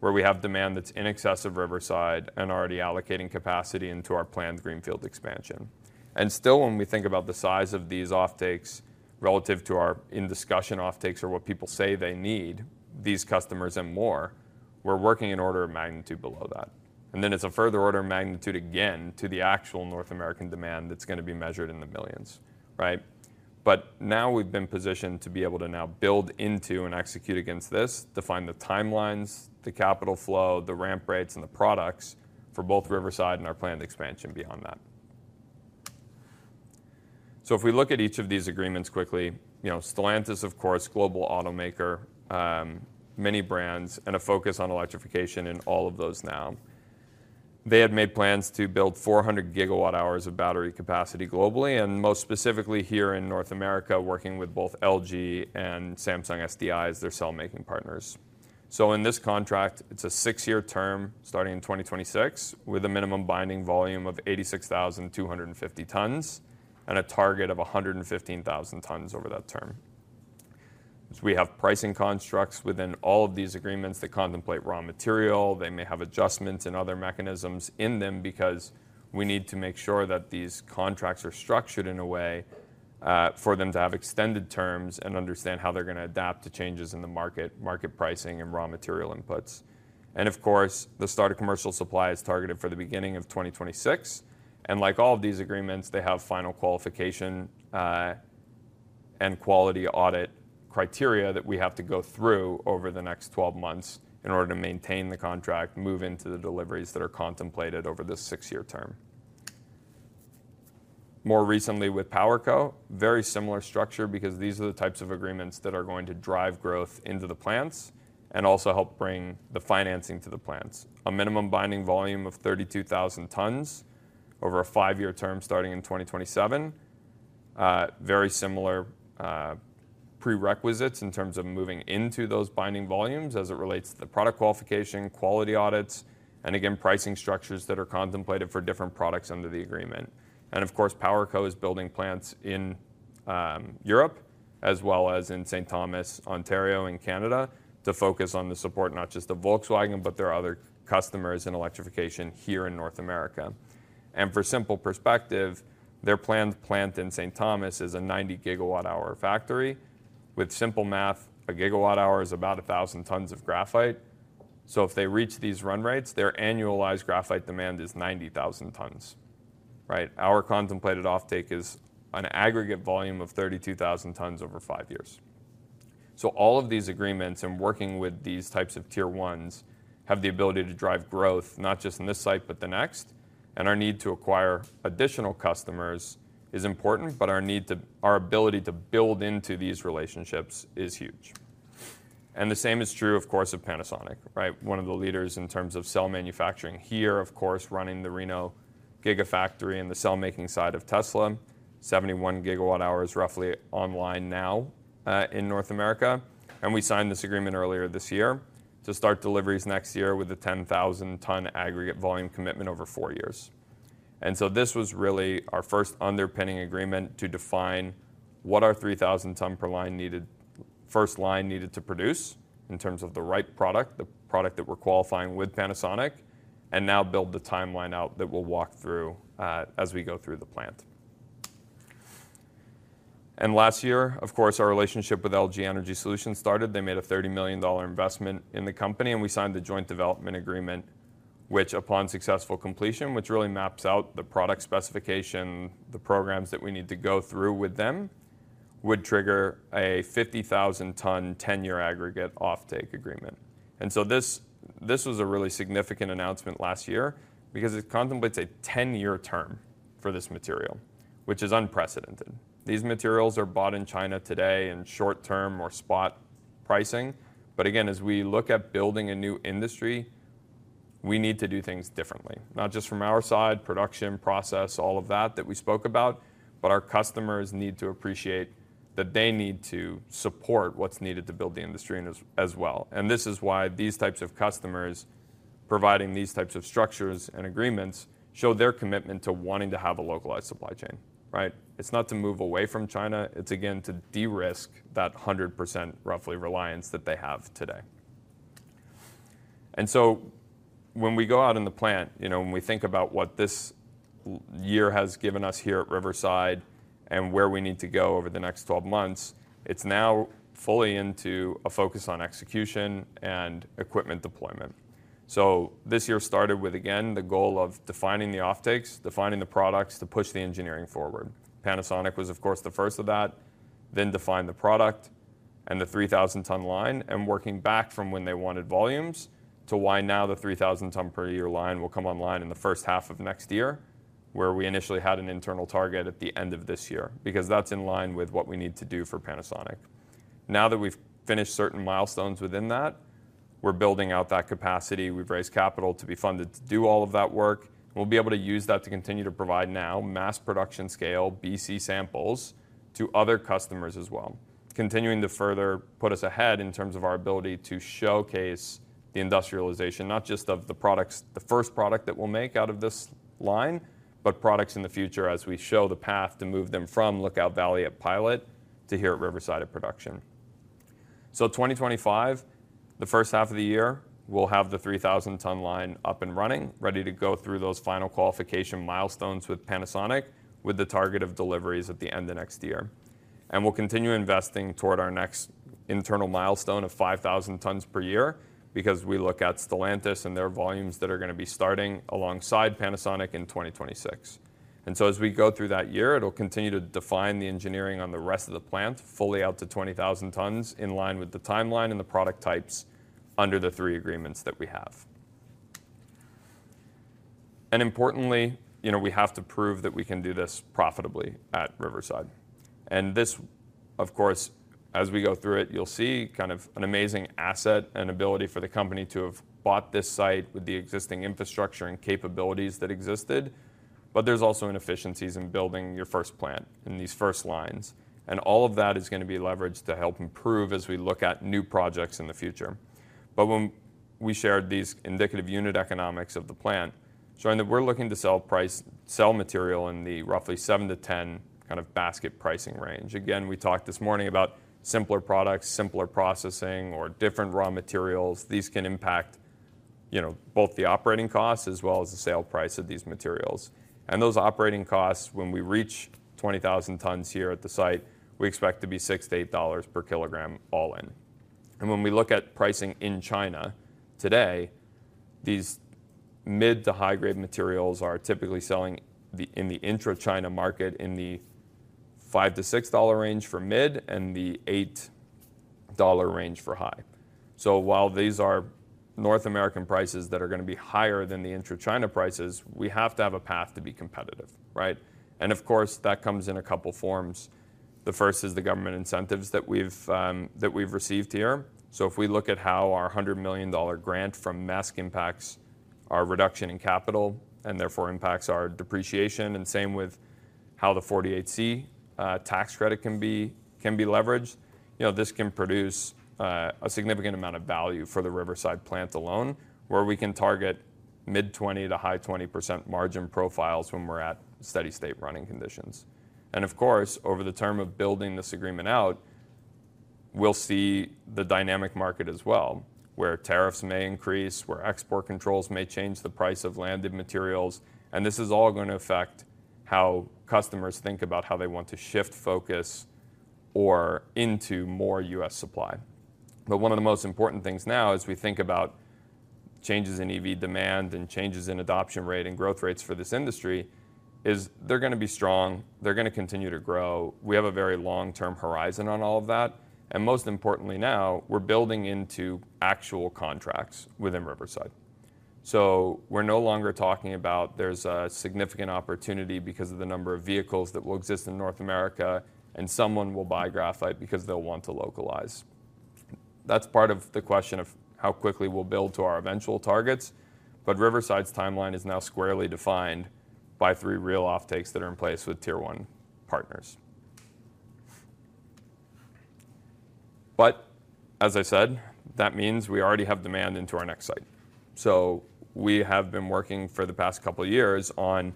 where we have demand that's in excess of Riverside and already allocating capacity into our planned greenfield expansion. And still, when we think about the size of these offtakes relative to our in-discussion offtakes or what people say they need, these customers and more, we're working in order of magnitude below that. And then it's a further order of magnitude again to the actual North American demand that's going to be measured in the millions, right? But now we've been positioned to be able to now build into and execute against this, define the timelines, the capital flow, the ramp rates, and the products for both Riverside and our planned expansion beyond that. So if we look at each of these agreements quickly, Stellantis, of course, global automaker, many brands, and a focus on electrification in all of those now. They had made plans to build 400 gigawatt hours of battery capacity globally, and most specifically here in North America, working with both LG and Samsung SDI as their cell-making partners. So in this contract, it's a six-year term starting in 2026 with a minimum binding volume of 86,250 tons and a target of 115,000 tons over that term. We have pricing constructs within all of these agreements that contemplate raw material. They may have adjustments and other mechanisms in them because we need to make sure that these contracts are structured in a way for them to have extended terms and understand how they're going to adapt to changes in the market, market pricing, and raw material inputs, and of course, the start of commercial supply is targeted for the beginning of 2026, and like all of these agreements, they have final qualification and quality audit criteria that we have to go through over the next 12 months in order to maintain the contract, move into the deliveries that are contemplated over this six-year term. More recently with PowerCo, very similar structure because these are the types of agreements that are going to drive growth into the plants and also help bring the financing to the plants. A minimum binding volume of 32,000 tons over a five-year term starting in 2027. Very similar prerequisites in terms of moving into those binding volumes as it relates to the product qualification, quality audits, and again, pricing structures that are contemplated for different products under the agreement. Of course, PowerCo is building plants in Europe as well as in St. Thomas, Ontario, and Canada to focus on the support not just of Volkswagen, but their other customers in electrification here in North America. For simple perspective, their planned plant in St. Thomas is a 90 gigawatt hour factory. With simple math, a gigawatt hour is about 1,000 tons of graphite. So if they reach these run rates, their annualized graphite demand is 90,000 tons, right? Our contemplated offtake is an aggregate volume of 32,000 tons over five years. So all of these agreements and working with these types of Tier 1 have the ability to drive growth not just in this site, but the next. And our need to acquire additional customers is important, but our ability to build into these relationships is huge. And the same is true, of course, of Panasonic, right? One of the leaders in terms of cell manufacturing here, of course, running the Reno Gigafactory and the cell-making side of Tesla, 71 gigawatt hours roughly online now in North America. And we signed this agreement earlier this year to start deliveries next year with a 10,000-ton aggregate volume commitment over four years. This was really our first underpinning agreement to define what our 3,000-ton per line first line needed to produce in terms of the right product, the product that we're qualifying with Panasonic, and now build the timeline out that we'll walk through as we go through the plant. Last year, of course, our relationship with LG Energy Solution started. They made a $30 million investment in the company, and we signed the joint development agreement, which, upon successful completion, which really maps out the product specification, the programs that we need to go through with them, would trigger a 50,000-ton 10-year aggregate offtake agreement. This was a really significant announcement last year because it contemplates a 10-year term for this material, which is unprecedented. These materials are bought in China today in short-term or spot pricing. But again, as we look at building a new industry, we need to do things differently, not just from our side, production, process, all of that that we spoke about, but our customers need to appreciate that they need to support what's needed to build the industry as well. And this is why these types of customers providing these types of structures and agreements show their commitment to wanting to have a localized supply chain, right? It's not to move away from China. It's, again, to de-risk that 100% roughly reliance that they have today. And so when we go out in the plant, when we think about what this year has given us here at Riverside and where we need to go over the next 12 months, it's now fully into a focus on execution and equipment deployment. So this year started with, again, the goal of defining the offtakes, defining the products to push the engineering forward. Panasonic was, of course, the first of that, then define the product and the 3,000-ton line and working back from when they wanted volumes to why now the 3,000-ton per year line will come online in the first half of next year, where we initially had an internal target at the end of this year because that's in line with what we need to do for Panasonic. Now that we've finished certain milestones within that, we're building out that capacity. We've raised capital to be funded to do all of that work. We'll be able to use that to continue to provide now mass production scale B/C samples to other customers as well, continuing to further put us ahead in terms of our ability to showcase the industrialization, not just of the first product that we'll make out of this line, but products in the future as we show the path to move them from Lookout Valley at pilot to here at Riverside at production, so 2025, the first half of the year, we'll have the 3,000-ton line up and running, ready to go through those final qualification milestones with Panasonic with the target of deliveries at the end of next year, and we'll continue investing toward our next internal milestone of 5,000 tons per year because we look at Stellantis and their volumes that are going to be starting alongside Panasonic in 2026. And so as we go through that year, it'll continue to define the engineering on the rest of the plant fully out to 20,000 tons in line with the timeline and the product types under the three agreements that we have. And importantly, we have to prove that we can do this profitably at Riverside. And this, of course, as we go through it, you'll see kind of an amazing asset and ability for the company to have bought this site with the existing infrastructure and capabilities that existed. But there's also inefficiencies in building your first plant in these first lines. And all of that is going to be leveraged to help improve as we look at new projects in the future. But when we shared these indicative unit economics of the plant, showing that we're looking to sell material in the roughly $7-$10 kind of basket pricing range. Again, we talked this morning about simpler products, simpler processing, or different raw materials. These can impact both the operating costs as well as the sale price of these materials. And those operating costs, when we reach 20,000 tons here at the site, we expect to be $6-$8 per kilogram all in. And when we look at pricing in China today, these mid to high-grade materials are typically selling in the intra-China market in the $5-$6 range for mid and the $8 range for high. So while these are North American prices that are going to be higher than the intra-China prices, we have to have a path to be competitive, right? Of course, that comes in a couple of forms. The first is the government incentives that we've received here. If we look at how our $100 million grant from MESC impacts our reduction in capital and therefore impacts our depreciation, and same with how the 48C tax credit can be leveraged, this can produce a significant amount of value for the Riverside plant alone, where we can target mid-20% to high-20% margin profiles when we're at steady state running conditions. Of course, over the term of building this agreement out, we'll see the dynamic market as well, where tariffs may increase, where export controls may change the price of landed materials. This is all going to affect how customers think about how they want to shift focus or into more U.S. supply. But one of the most important things now as we think about changes in EV demand and changes in adoption rate and growth rates for this industry is they're going to be strong. They're going to continue to grow. We have a very long-term horizon on all of that. And most importantly now, we're building into actual contracts within Riverside. So we're no longer talking about there's a significant opportunity because of the number of vehicles that will exist in North America and someone will buy graphite because they'll want to localize. That's part of the question of how quickly we'll build to our eventual targets. But Riverside's timeline is now squarely defined by three real offtakes that are in place with Tier 1 partners. But as I said, that means we already have demand into our next site. We have been working for the past couple of years on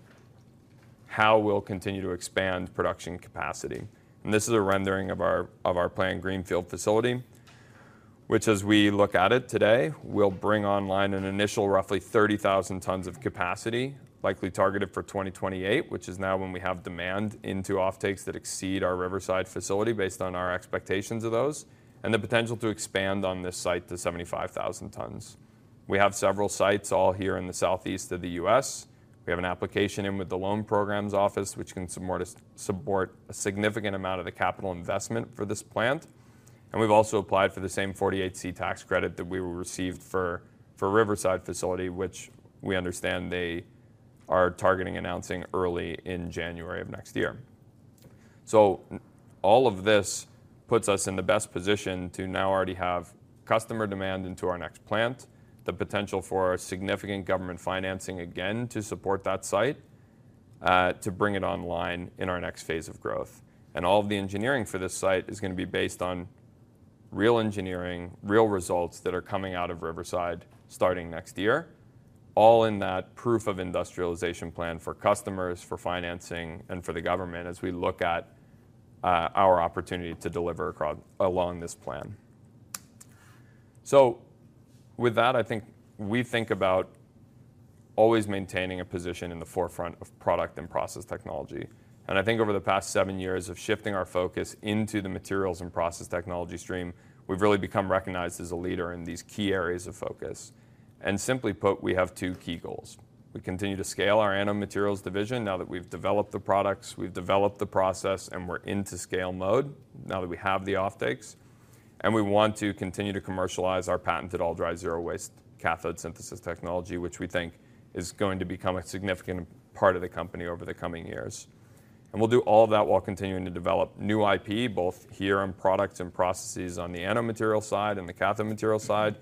how we'll continue to expand production capacity. This is a rendering of our planned greenfield facility, which as we look at it today, will bring online an initial roughly 30,000 tons of capacity, likely targeted for 2028, which is now when we have demand into offtakes that exceed our Riverside facility based on our expectations of those, and the potential to expand on this site to 75,000 tons. We have several sites all here in the southeast of the U.S. We have an application in with the Loan Programs Office, which can support a significant amount of the capital investment for this plant. We have also applied for the same 48C tax credit that we received for Riverside facility, which we understand they are targeting announcing early in January of next year. So all of this puts us in the best position to now already have customer demand into our next plant, the potential for significant government financing again to support that site, to bring it online in our next phase of growth. And all of the engineering for this site is going to be based on real engineering, real results that are coming out of Riverside starting next year, all in that proof of industrialization plan for customers, for financing, and for the government as we look at our opportunity to deliver along this plan. So with that, I think we think about always maintaining a position in the forefront of product and process technology. And I think over the past seven years of shifting our focus into the materials and process technology stream, we've really become recognized as a leader in these key areas of focus. Simply put, we have two key goals. We continue to scale our anode materials division now that we've developed the products, we've developed the process, and we're into scale mode now that we have the offtakes. We want to continue to commercialize our patented all-dry zero-waste cathode synthesis technology, which we think is going to become a significant part of the company over the coming years. We'll do all of that while continuing to develop new IP, both here on products and processes on the anode material side and the cathode material side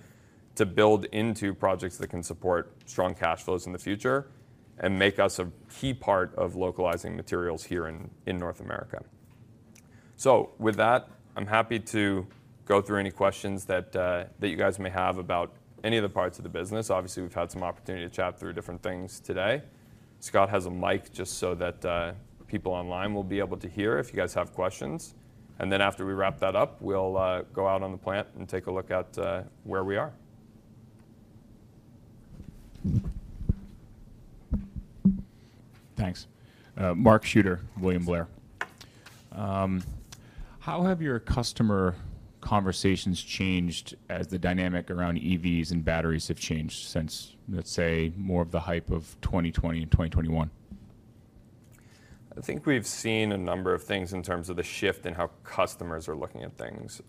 to build into projects that can support strong cash flows in the future and make us a key part of localizing materials here in North America. With that, I'm happy to go through any questions that you guys may have about any of the parts of the business. Obviously, we've had some opportunity to chat through different things today. Scott has a mic just so that people online will be able to hear if you guys have questions, and then after we wrap that up, we'll go out on the plant and take a look at where we are. Thanks. Mark Schutter, William Blair. How have your customer conversations changed as the dynamic around EVs and batteries have changed since, let's say, more of the hype of 2020 and 2021? I think we've seen a number of things in terms of the shift in how customers are looking at things.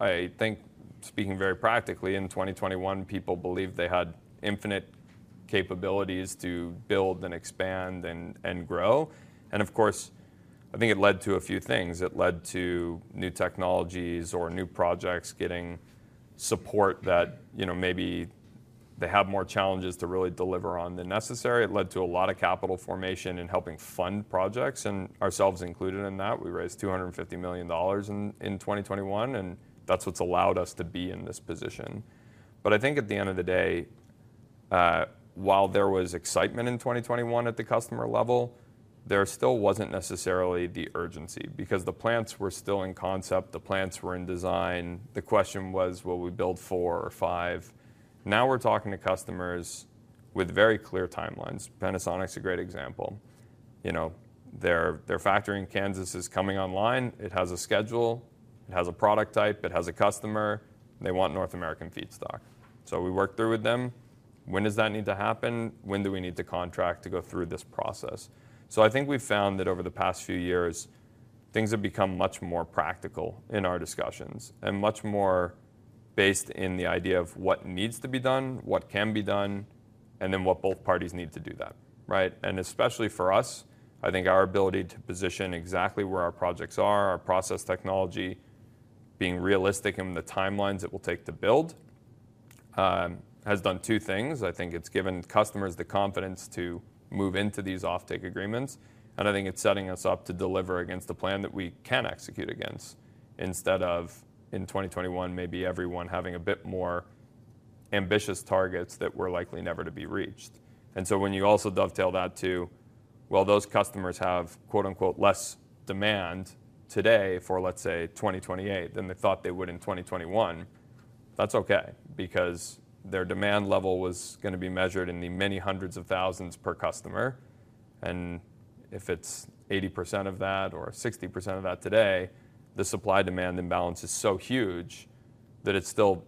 I think, speaking very practically, in 2021, people believed they had infinite capabilities to build and expand and grow, and of course, I think it led to a few things. It led to new technologies or new projects getting support that maybe they have more challenges to really deliver on than necessary. It led to a lot of capital formation in helping fund projects, and ourselves included in that. We raised $250 million in 2021, and that's what's allowed us to be in this position. I think at the end of the day, while there was excitement in 2021 at the customer level, there still wasn't necessarily the urgency because the plants were still in concept, the plants were in design. The question was, will we build four or five? Now we're talking to customers with very clear timelines. Panasonic's a great example. Their factory in Kansas is coming online. It has a schedule. It has a product type. It has a customer. They want North American feedstock. So we work through with them. When does that need to happen? When do we need to contract to go through this process? So I think we've found that over the past few years, things have become much more practical in our discussions and much more based in the idea of what needs to be done, what can be done, and then what both parties need to do that, right? And especially for us, I think our ability to position exactly where our projects are, our process technology, being realistic in the timelines it will take to build, has done two things. I think it's given customers the confidence to move into these offtake agreements. And I think it's setting us up to deliver against the plan that we can execute against instead of in 2021, maybe everyone having a bit more ambitious targets that were likely never to be reached. And so when you also dovetail that to, well, those customers have "less demand" today for, let's say, 2028 than they thought they would in 2021, that's okay because their demand level was going to be measured in the many hundreds of thousands per customer. And if it's 80% of that or 60% of that today, the supply demand imbalance is so huge that it still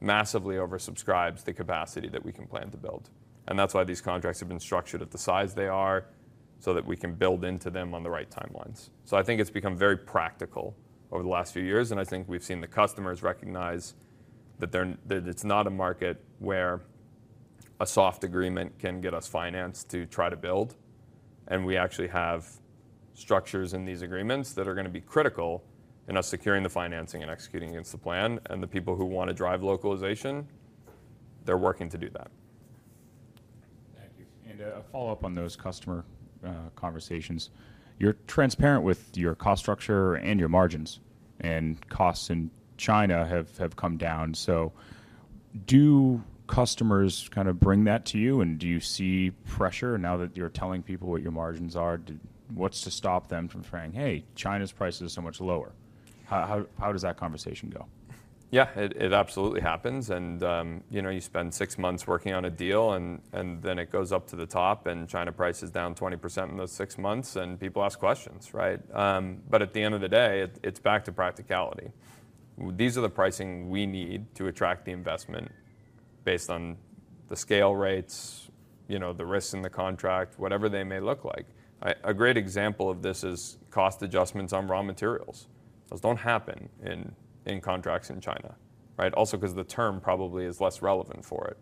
massively oversubscribes the capacity that we can plan to build. And that's why these contracts have been structured at the size they are so that we can build into them on the right timelines. So I think it's become very practical over the last few years. And I think we've seen the customers recognize that it's not a market where a soft agreement can get us financed to try to build. We actually have structures in these agreements that are going to be critical in us securing the financing and executing against the plan. The people who want to drive localization, they're working to do that. Thank you. A follow-up on those customer conversations. You're transparent with your cost structure and your margins. Costs in China have come down. So do customers kind of bring that to you? Do you see pressure now that you're telling people what your margins are? What's to stop them from saying, "Hey, China's price is so much lower"? How does that conversation go? Yeah, it absolutely happens. You spend six months working on a deal, and then it goes up to the top, and China price is down 20% in those six months, and people ask questions, right? But at the end of the day, it's back to practicality. These are the pricing we need to attract the investment based on the scale rates, the risks in the contract, whatever they may look like. A great example of this is cost adjustments on raw materials. Those don't happen in contracts in China, right? Also because the term probably is less relevant for it.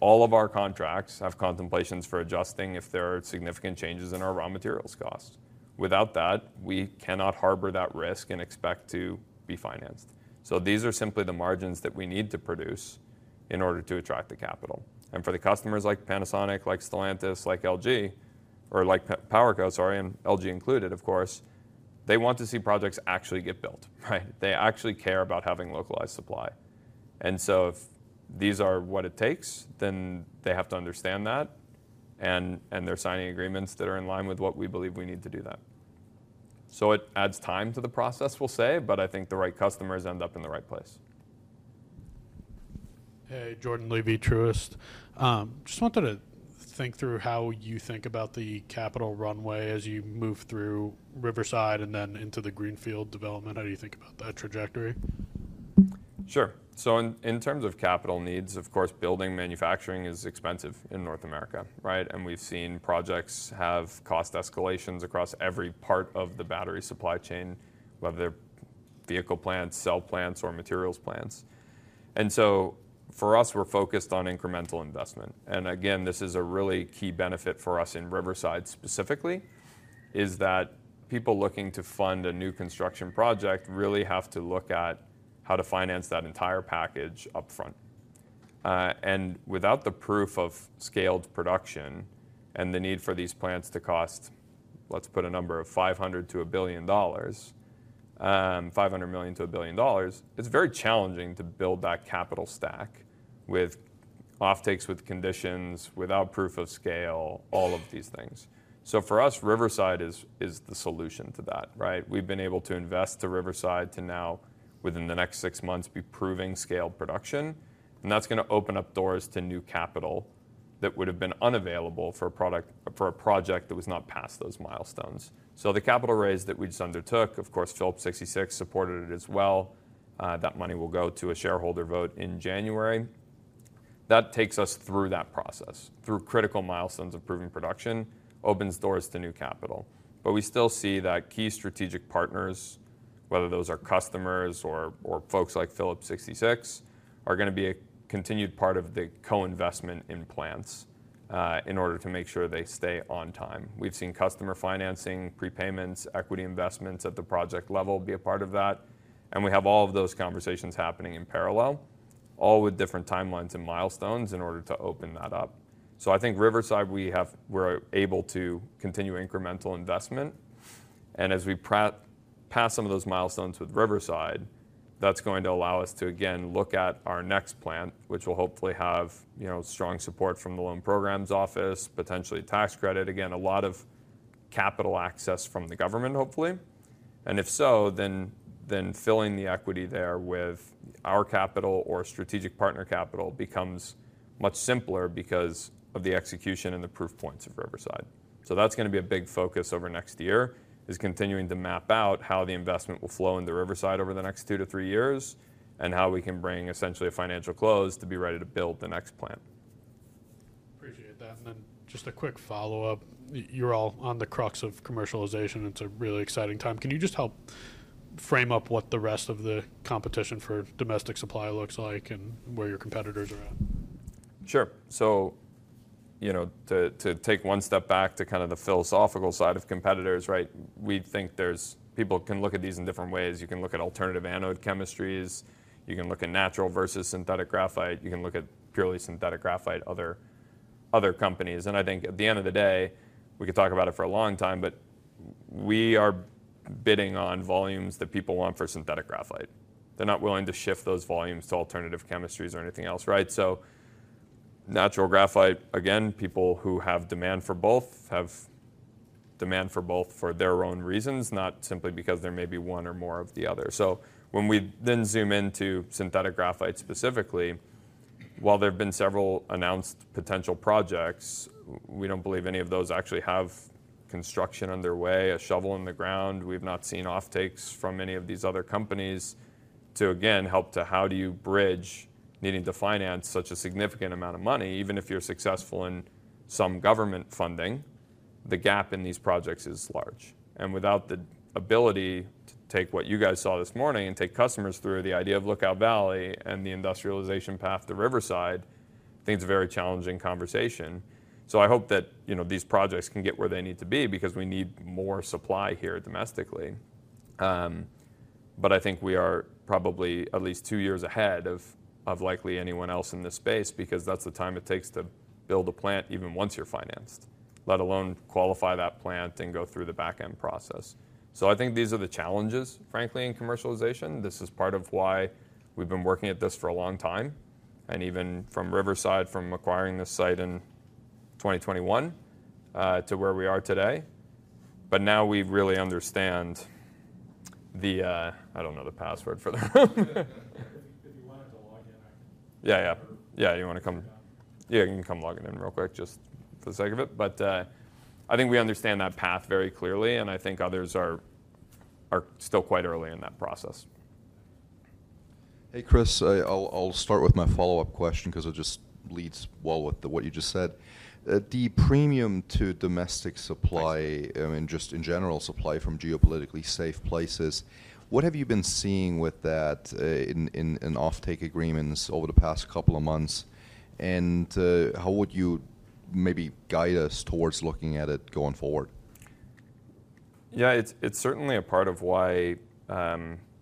All of our contracts have contemplations for adjusting if there are significant changes in our raw materials costs. Without that, we cannot harbor that risk and expect to be financed. So these are simply the margins that we need to produce in order to attract the capital. And for the customers like Panasonic, like Stellantis, like LG, or like PowerCo, sorry, LG included, of course, they want to see projects actually get built, right? They actually care about having localized supply. And so if these are what it takes, then they have to understand that. And they're signing agreements that are in line with what we believe we need to do that. So it adds time to the process, we'll say, but I think the right customers end up in the right place. Hey, Jordan Levy, Truist. Just wanted to think through how you think about the capital runway as you move through Riverside and then into the greenfield development. How do you think about that trajectory? Sure. So in terms of capital needs, of course, building manufacturing is expensive in North America, right? And we've seen projects have cost escalations across every part of the battery supply chain, whether they're vehicle plants, cell plants, or materials plants. And so for us, we're focused on incremental investment. And again, this is a really key benefit for us in Riverside specifically, is that people looking to fund a new construction project really have to look at how to finance that entire package upfront. And without the proof of scaled production and the need for these plants to cost, let's put a number on $500 million-$1 billion, $500 million-$1 billion, it's very challenging to build that capital stack with offtakes with conditions, without proof of scale, all of these things. So for us, Riverside is the solution to that, right? We've been able to invest to Riverside to now, within the next six months, be proving scaled production. And that's going to open up doors to new capital that would have been unavailable for a project that was not past those milestones. So the capital raise that we just undertook, of course, Phillips 66 supported it as well. That money will go to a shareholder vote in January. That takes us through that process, through critical milestones of proving production, opens doors to new capital. But we still see that key strategic partners, whether those are customers or folks like Phillips 66, are going to be a continued part of the co-investment in plants in order to make sure they stay on time. We've seen customer financing, prepayments, equity investments at the project level be a part of that. And we have all of those conversations happening in parallel, all with different timelines and milestones in order to open that up. So I think Riverside, we're able to continue incremental investment. And as we pass some of those milestones with Riverside, that's going to allow us to, again, look at our next plant, which will hopefully have strong support from the Loan Programs Office, potentially tax credit, again, a lot of capital access from the government, hopefully. And if so, then filling the equity there with our capital or strategic partner capital becomes much simpler because of the execution and the proof points of Riverside. So that's going to be a big focus over next year, is continuing to map out how the investment will flow into Riverside over the next two to three years and how we can bring essentially a financial close to be ready to build the next plant. Appreciate that. And then just a quick follow-up. You're all on the crux of commercialization. It's a really exciting time. Can you just help frame up what the rest of the competition for domestic supply looks like and where your competitors are at? Sure. So to take one step back to kind of the philosophical side of competitors, right? We think people can look at these in different ways. You can look at alternative anode chemistries. You can look at natural versus synthetic graphite. You can look at purely synthetic graphite, other companies. And I think at the end of the day, we could talk about it for a long time, but we are bidding on volumes that people want for synthetic graphite. They're not willing to shift those volumes to alternative chemistries or anything else, right? So natural graphite, again, people who have demand for both have demand for both for their own reasons, not simply because there may be one or more of the other. So when we then zoom into synthetic graphite specifically, while there have been several announced potential projects, we don't believe any of those actually have construction underway, a shovel in the ground. We've not seen offtakes from any of these other companies to, again, help to how do you bridge needing to finance such a significant amount of money, even if you're successful in some government funding. The gap in these projects is large. And without the ability to take what you guys saw this morning and take customers through the idea of Lookout Valley and the industrialization path to Riverside, I think it's a very challenging conversation. So I hope that these projects can get where they need to be because we need more supply here domestically. But I think we are probably at least two years ahead of likely anyone else in this space because that's the time it takes to build a plant even once you're financed, let alone qualify that plant and go through the backend process. So I think these are the challenges, frankly, in commercialization. This is part of why we've been working at this for a long time. And even from Riverside, from acquiring this site in 2021 to where we are today. But now we really understand the, I don't know the password for the room. If you wanted to log in, I can. Yeah, yeah. Yeah, you want to come? Yeah, you can come log in real quick just for the sake of it. But I think we understand that path very clearly, and I think others are still quite early in that process. Hey, Chris, I'll start with my follow-up question because it just leads well with what you just said. The premium to domestic supply, I mean, just in general, supply from geopolitically safe places, what have you been seeing with that in offtake agreements over the past couple of months? And how would you maybe guide us towards looking at it going forward? Yeah, it's certainly a part of why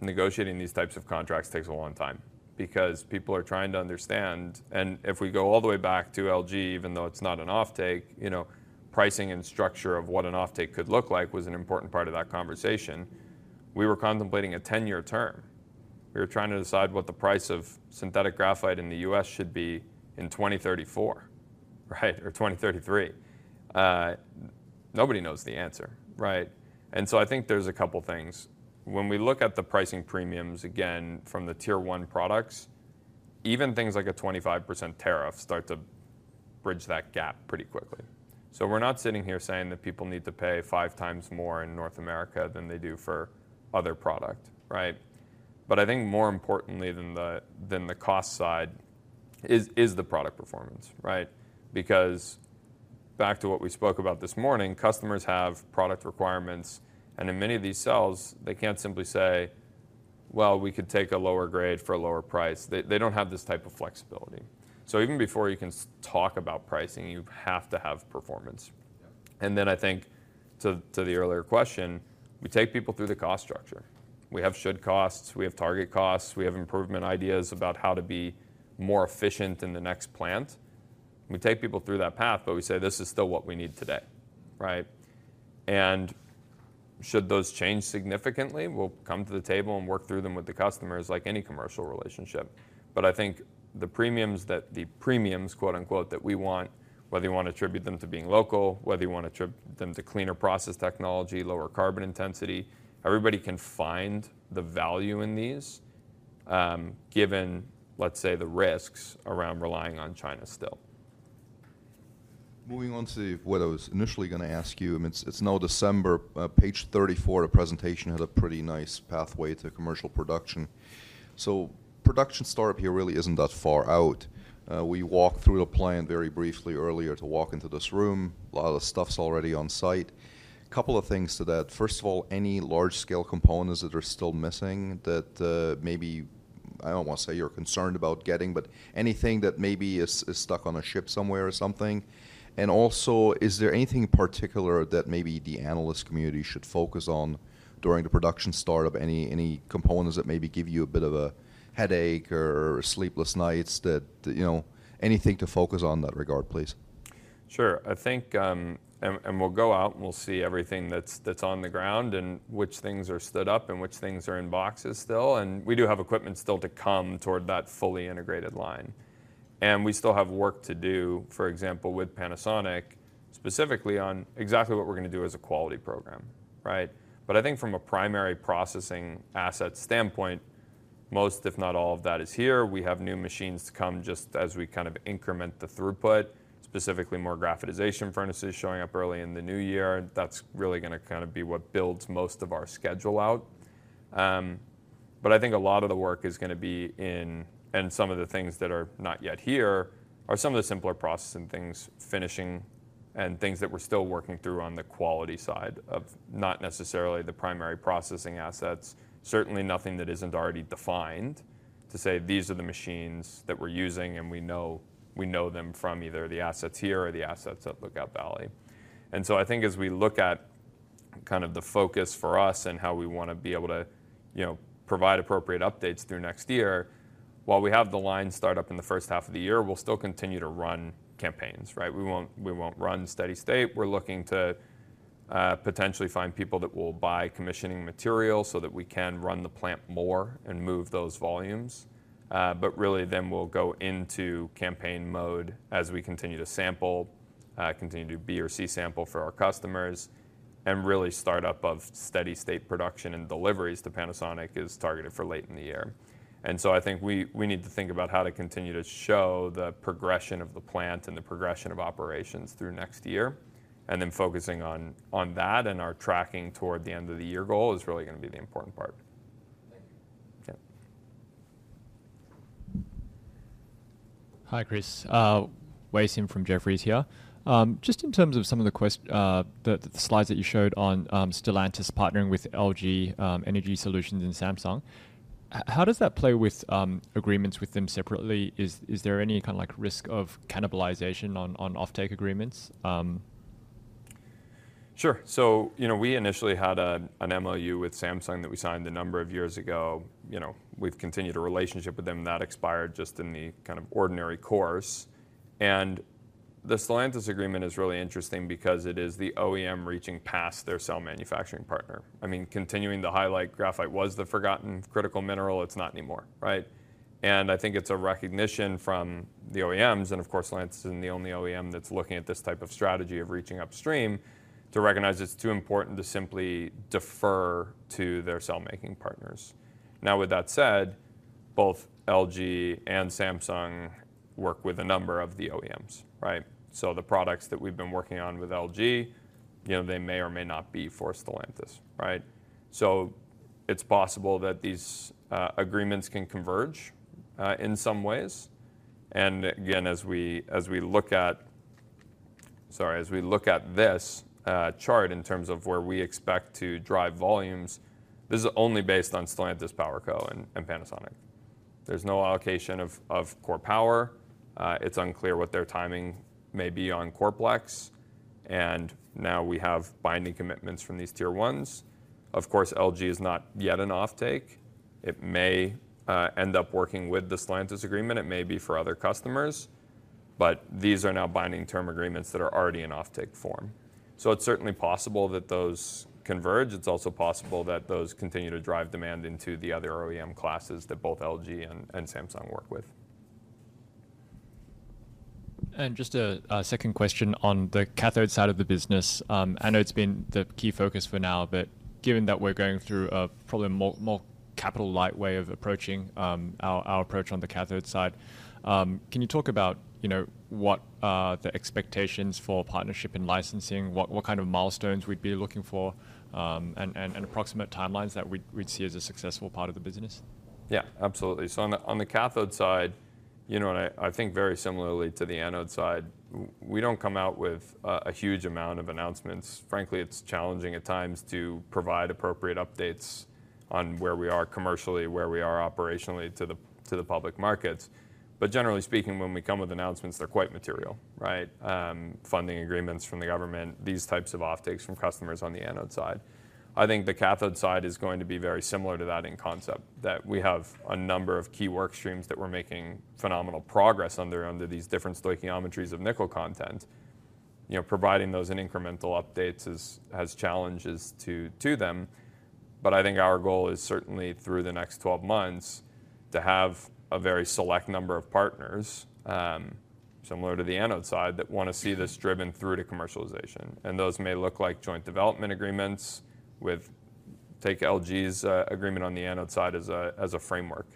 negotiating these types of contracts takes a long time because people are trying to understand. And if we go all the way back to LG, even though it's not an offtake, pricing and structure of what an offtake could look like was an important part of that conversation. We were contemplating a 10-year term. We were trying to decide what the price of synthetic graphite in the U.S. should be in 2034, right, or 2033. Nobody knows the answer, right? And so I think there's a couple of things. When we look at the pricing premiums, again, from the Tier 1 products, even things like a 25% tariff start to bridge that gap pretty quickly. So we're not sitting here saying that people need to pay five times more in North America than they do for other product, right? But I think more importantly than the cost side is the product performance, right? Because back to what we spoke about this morning, customers have product requirements. And in many of these cells, they can't simply say, "Well, we could take a lower grade for a lower price." They don't have this type of flexibility. So even before you can talk about pricing, you have to have performance. And then I think to the earlier question, we take people through the cost structure. We have should costs. We have target costs. We have improvement ideas about how to be more efficient in the next plant. We take people through that path, but we say, "This is still what we need today," right? And should those change significantly, we'll come to the table and work through them with the customers like any commercial relationship. But I think the premiums that we want, whether you want to attribute them to being local, whether you want to attribute them to cleaner process technology, lower carbon intensity, everybody can find the value in these given, let's say, the risks around relying on China still. Moving on to what I was initially going to ask you, I mean, it's now December, page 34 of presentation had a pretty nice pathway to commercial production. So production startup here really isn't that far out. We walked through the plant very briefly earlier to walk into this room. A lot of the stuff's already on site. A couple of things to that. First of all, any large-scale components that are still missing that maybe, I don't want to say you're concerned about getting, but anything that maybe is stuck on a ship somewhere or something. And also, is there anything in particular that maybe the analyst community should focus on during the production startup? Any components that maybe give you a bit of a headache or sleepless nights? Anything to focus on in that regard, please. Sure. I think, and we'll go out and we'll see everything that's on the ground and which things are stood up and which things are in boxes still. And we do have equipment still to come toward that fully integrated line. And we still have work to do, for example, with Panasonic, specifically on exactly what we're going to do as a quality program, right? But I think from a primary processing asset standpoint, most, if not all of that is here. We have new machines to come just as we kind of increment the throughput, specifically more graphitization furnaces showing up early in the new year. That's really going to kind of be what builds most of our schedule out. But I think a lot of the work is going to be in, and some of the things that are not yet here are some of the simpler processing things, finishing and things that we're still working through on the quality side of not necessarily the primary processing assets, certainly nothing that isn't already defined to say, "These are the machines that we're using and we know them from either the assets here or the assets at Lookout Valley." And so I think as we look at kind of the focus for us and how we want to be able to provide appropriate updates through next year, while we have the line start up in the first half of the year, we'll still continue to run campaigns, right? We won't run steady state. We're looking to potentially find people that will buy commissioning material so that we can run the plant more and move those volumes. But really then we'll go into campaign mode as we continue to sample, continue to B or C sample for our customers, and really start up of steady state production and deliveries to Panasonic is targeted for late in the year. And so I think we need to think about how to continue to show the progression of the plant and the progression of operations through next year. And then focusing on that and our tracking toward the end of the year goal is really going to be the important part. Thank you. Yeah. Hi, Chris. Wei Sim from Jefferies here. Just in terms of some of the slides that you showed on Stellantis partnering with LG Energy Solutions and Samsung, how does that play with agreements with them separately? Is there any kind of risk of cannibalization on offtake agreements? Sure, so we initially had an MOU with Samsung that we signed a number of years ago. We've continued a relationship with them that expired just in the kind of ordinary course, and the Stellantis agreement is really interesting because it is the OEM reaching past their cell manufacturing partner. I mean, continuing to highlight graphite was the forgotten critical mineral. It's not anymore, right, and I think it's a recognition from the OEMs, and of course, Stellantis isn't the only OEM that's looking at this type of strategy of reaching upstream to recognize it's too important to simply defer to their cell making partners. Now, with that said, both LG and Samsung work with a number of the OEMs, right? So the products that we've been working on with LG, they may or may not be for Stellantis, right? So it's possible that these agreements can converge in some ways. And again, as we look at, sorry, as we look at this chart in terms of where we expect to drive volumes, this is only based on Stellantis, PowerCo, and Panasonic. There's no allocation of KORE Power. It's unclear what their timing may be on KOREPlex. And now we have binding commitments from these Tier 1. Of course, LG is not yet an offtake. It may end up working with the Stellantis agreement. It may be for other customers. But these are now binding term agreements that are already in offtake form. So it's certainly possible that those converge. It's also possible that those continue to drive demand into the other OEM classes that both LG and Samsung work with. And just a second question on the cathode side of the business. I know it's been the key focus for now, but given that we're going through a probably a more capital-light way of approaching our approach on the cathode side, can you talk about what the expectations for partnership and licensing, what kind of milestones we'd be looking for, and approximate timelines that we'd see as a successful part of the business? Yeah, absolutely. So on the cathode side, and I think very similarly to the anode side, we don't come out with a huge amount of announcements. Frankly, it's challenging at times to provide appropriate updates on where we are commercially, where we are operationally to the public markets. But generally speaking, when we come with announcements, they're quite material, right? Funding agreements from the government, these types of offtakes from customers on the anode side. I think the cathode side is going to be very similar to that in concept, that we have a number of key workstreams that we're making phenomenal progress under these different stoichiometries of nickel content. Providing those in incremental updates has challenges to them. But I think our goal is certainly through the next 12 months to have a very select number of partners similar to the anode side that want to see this driven through to commercialization. And those may look like joint development agreements with, take LG's agreement on the anode side as a framework.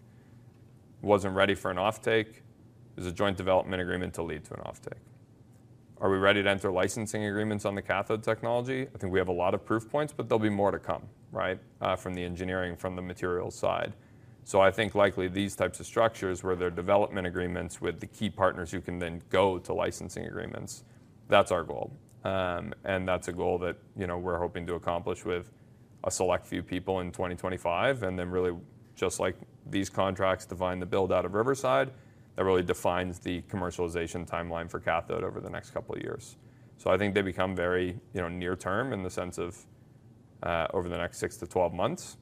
Wasn't ready for an offtake. It was a joint development agreement to lead to an offtake. Are we ready to enter licensing agreements on the cathode technology? I think we have a lot of proof points, but there'll be more to come, right, from the engineering, from the materials side. So I think likely these types of structures where there are development agreements with the key partners who can then go to licensing agreements, that's our goal. And that's a goal that we're hoping to accomplish with a select few people in 2025. And then really, just like these contracts define the build out of Riverside, that really defines the commercialization timeline for cathode over the next couple of years. So I think they become very near term in the sense of over the next 6 to 12 months.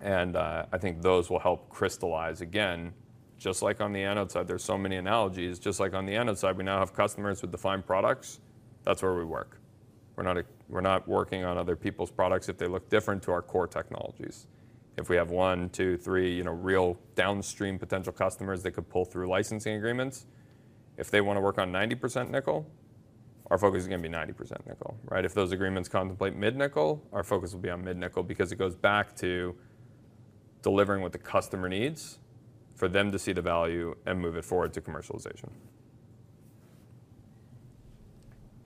And I think those will help crystallize again. Just like on the anode side, there's so many analogies. Just like on the anode side, we now have customers with defined products. That's where we work. We're not working on other people's products if they look different to our core technologies. If we have one, two, three real downstream potential customers that could pull through licensing agreements, if they want to work on 90% nickel, our focus is going to be 90% nickel, right? If those agreements contemplate mid-nickel, our focus will be on mid-nickel because it goes back to delivering what the customer needs for them to see the value and move it forward to commercialization.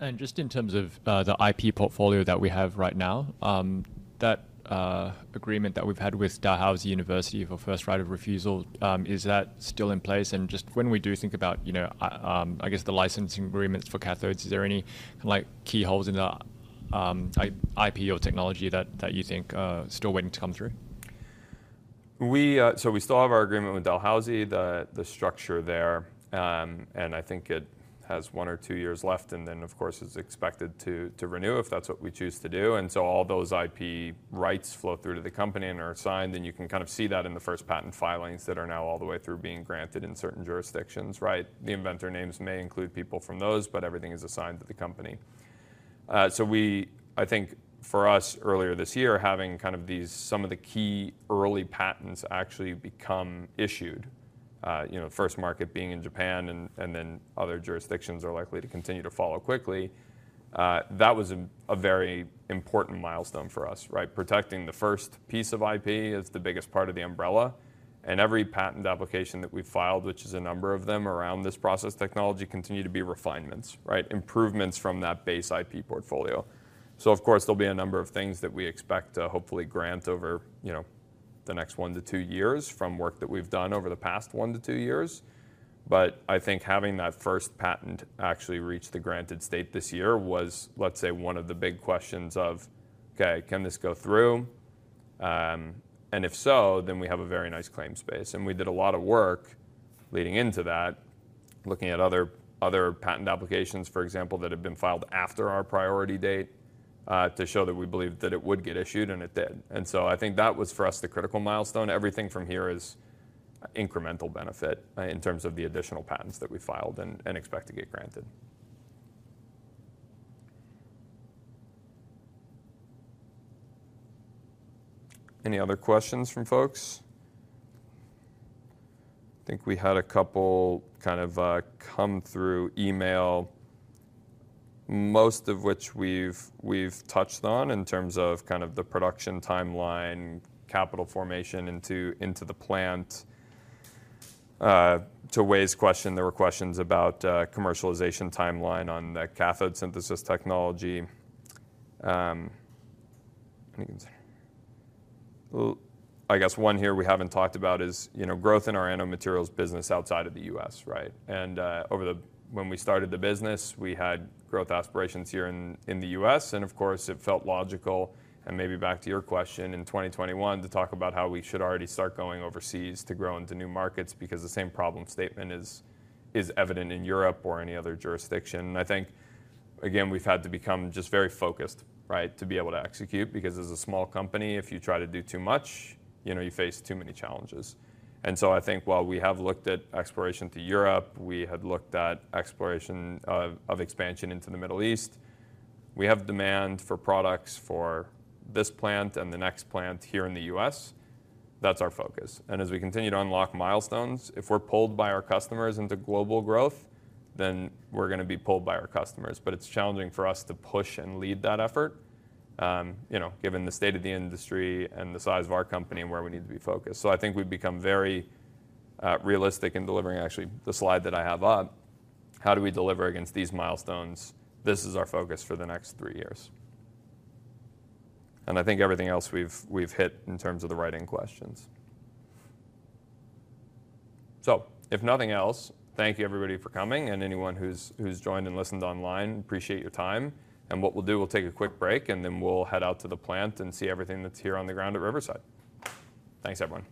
And just in terms of the IP portfolio that we have right now, that agreement that we've had with Dalhousie University for first right of refusal, is that still in place? Just when we do think about, I guess, the licensing agreements for cathodes, is there any key holes in the IP or technology that you think are still waiting to come through? We still have our agreement with Dalhousie, the structure there. I think it has one or two years left and then, of course, it's expected to renew if that's what we choose to do. All those IP rights flow through to the company and are assigned. You can kind of see that in the first patent filings that are now all the way through being granted in certain jurisdictions, right? The inventor names may include people from those, but everything is assigned to the company. So I think for us earlier this year, having kind of some of the key early patents actually become issued, first market being in Japan and then other jurisdictions are likely to continue to follow quickly, that was a very important milestone for us, right? Protecting the first piece of IP is the biggest part of the umbrella. And every patent application that we've filed, which is a number of them around this process technology, continue to be refinements, right? Improvements from that base IP portfolio. So of course, there'll be a number of things that we expect to hopefully grant over the next one to two years from work that we've done over the past one to two years. But I think having that first patent actually reach the granted state this year was, let's say, one of the big questions of, "Okay, can this go through?" And if so, then we have a very nice claim space. And we did a lot of work leading into that, looking at other patent applications, for example, that had been filed after our priority date to show that we believe that it would get issued and it did. And so I think that was for us the critical milestone. Everything from here is incremental benefit in terms of the additional patents that we filed and expect to get granted. Any other questions from folks? I think we had a couple kind of come through email, most of which we've touched on in terms of kind of the production timeline, capital formation into the plant. To Wei's question, there were questions about commercialization timeline on the cathode synthesis technology. I guess one here we haven't talked about is growth in our anode materials business outside of the U.S., right, and when we started the business, we had growth aspirations here in the U.S., and of course, it felt logical and maybe back to your question in 2021 to talk about how we should already start going overseas to grow into new markets because the same problem statement is evident in Europe or any other jurisdiction, and I think, again, we've had to become just very focused, right, to be able to execute because as a small company, if you try to do too much, you face too many challenges. And so I think while we have looked at expansion to Europe, we had looked at expansion into the Middle East, we have demand for products for this plant and the next plant here in the U.S. That's our focus. And as we continue to unlock milestones, if we're pulled by our customers into global growth, then we're going to be pulled by our customers. But it's challenging for us to push and lead that effort given the state of the industry and the size of our company and where we need to be focused. So I think we've become very realistic in delivering actually the slide that I have up. How do we deliver against these milestones? This is our focus for the next three years. And I think everything else we've hit in terms of the remaining questions. So if nothing else, thank you everybody for coming. And anyone who's joined and listened online, appreciate your time. And what we'll do, we'll take a quick break and then we'll head out to the plant and see everything that's here on the ground at Riverside. Thanks, everyone.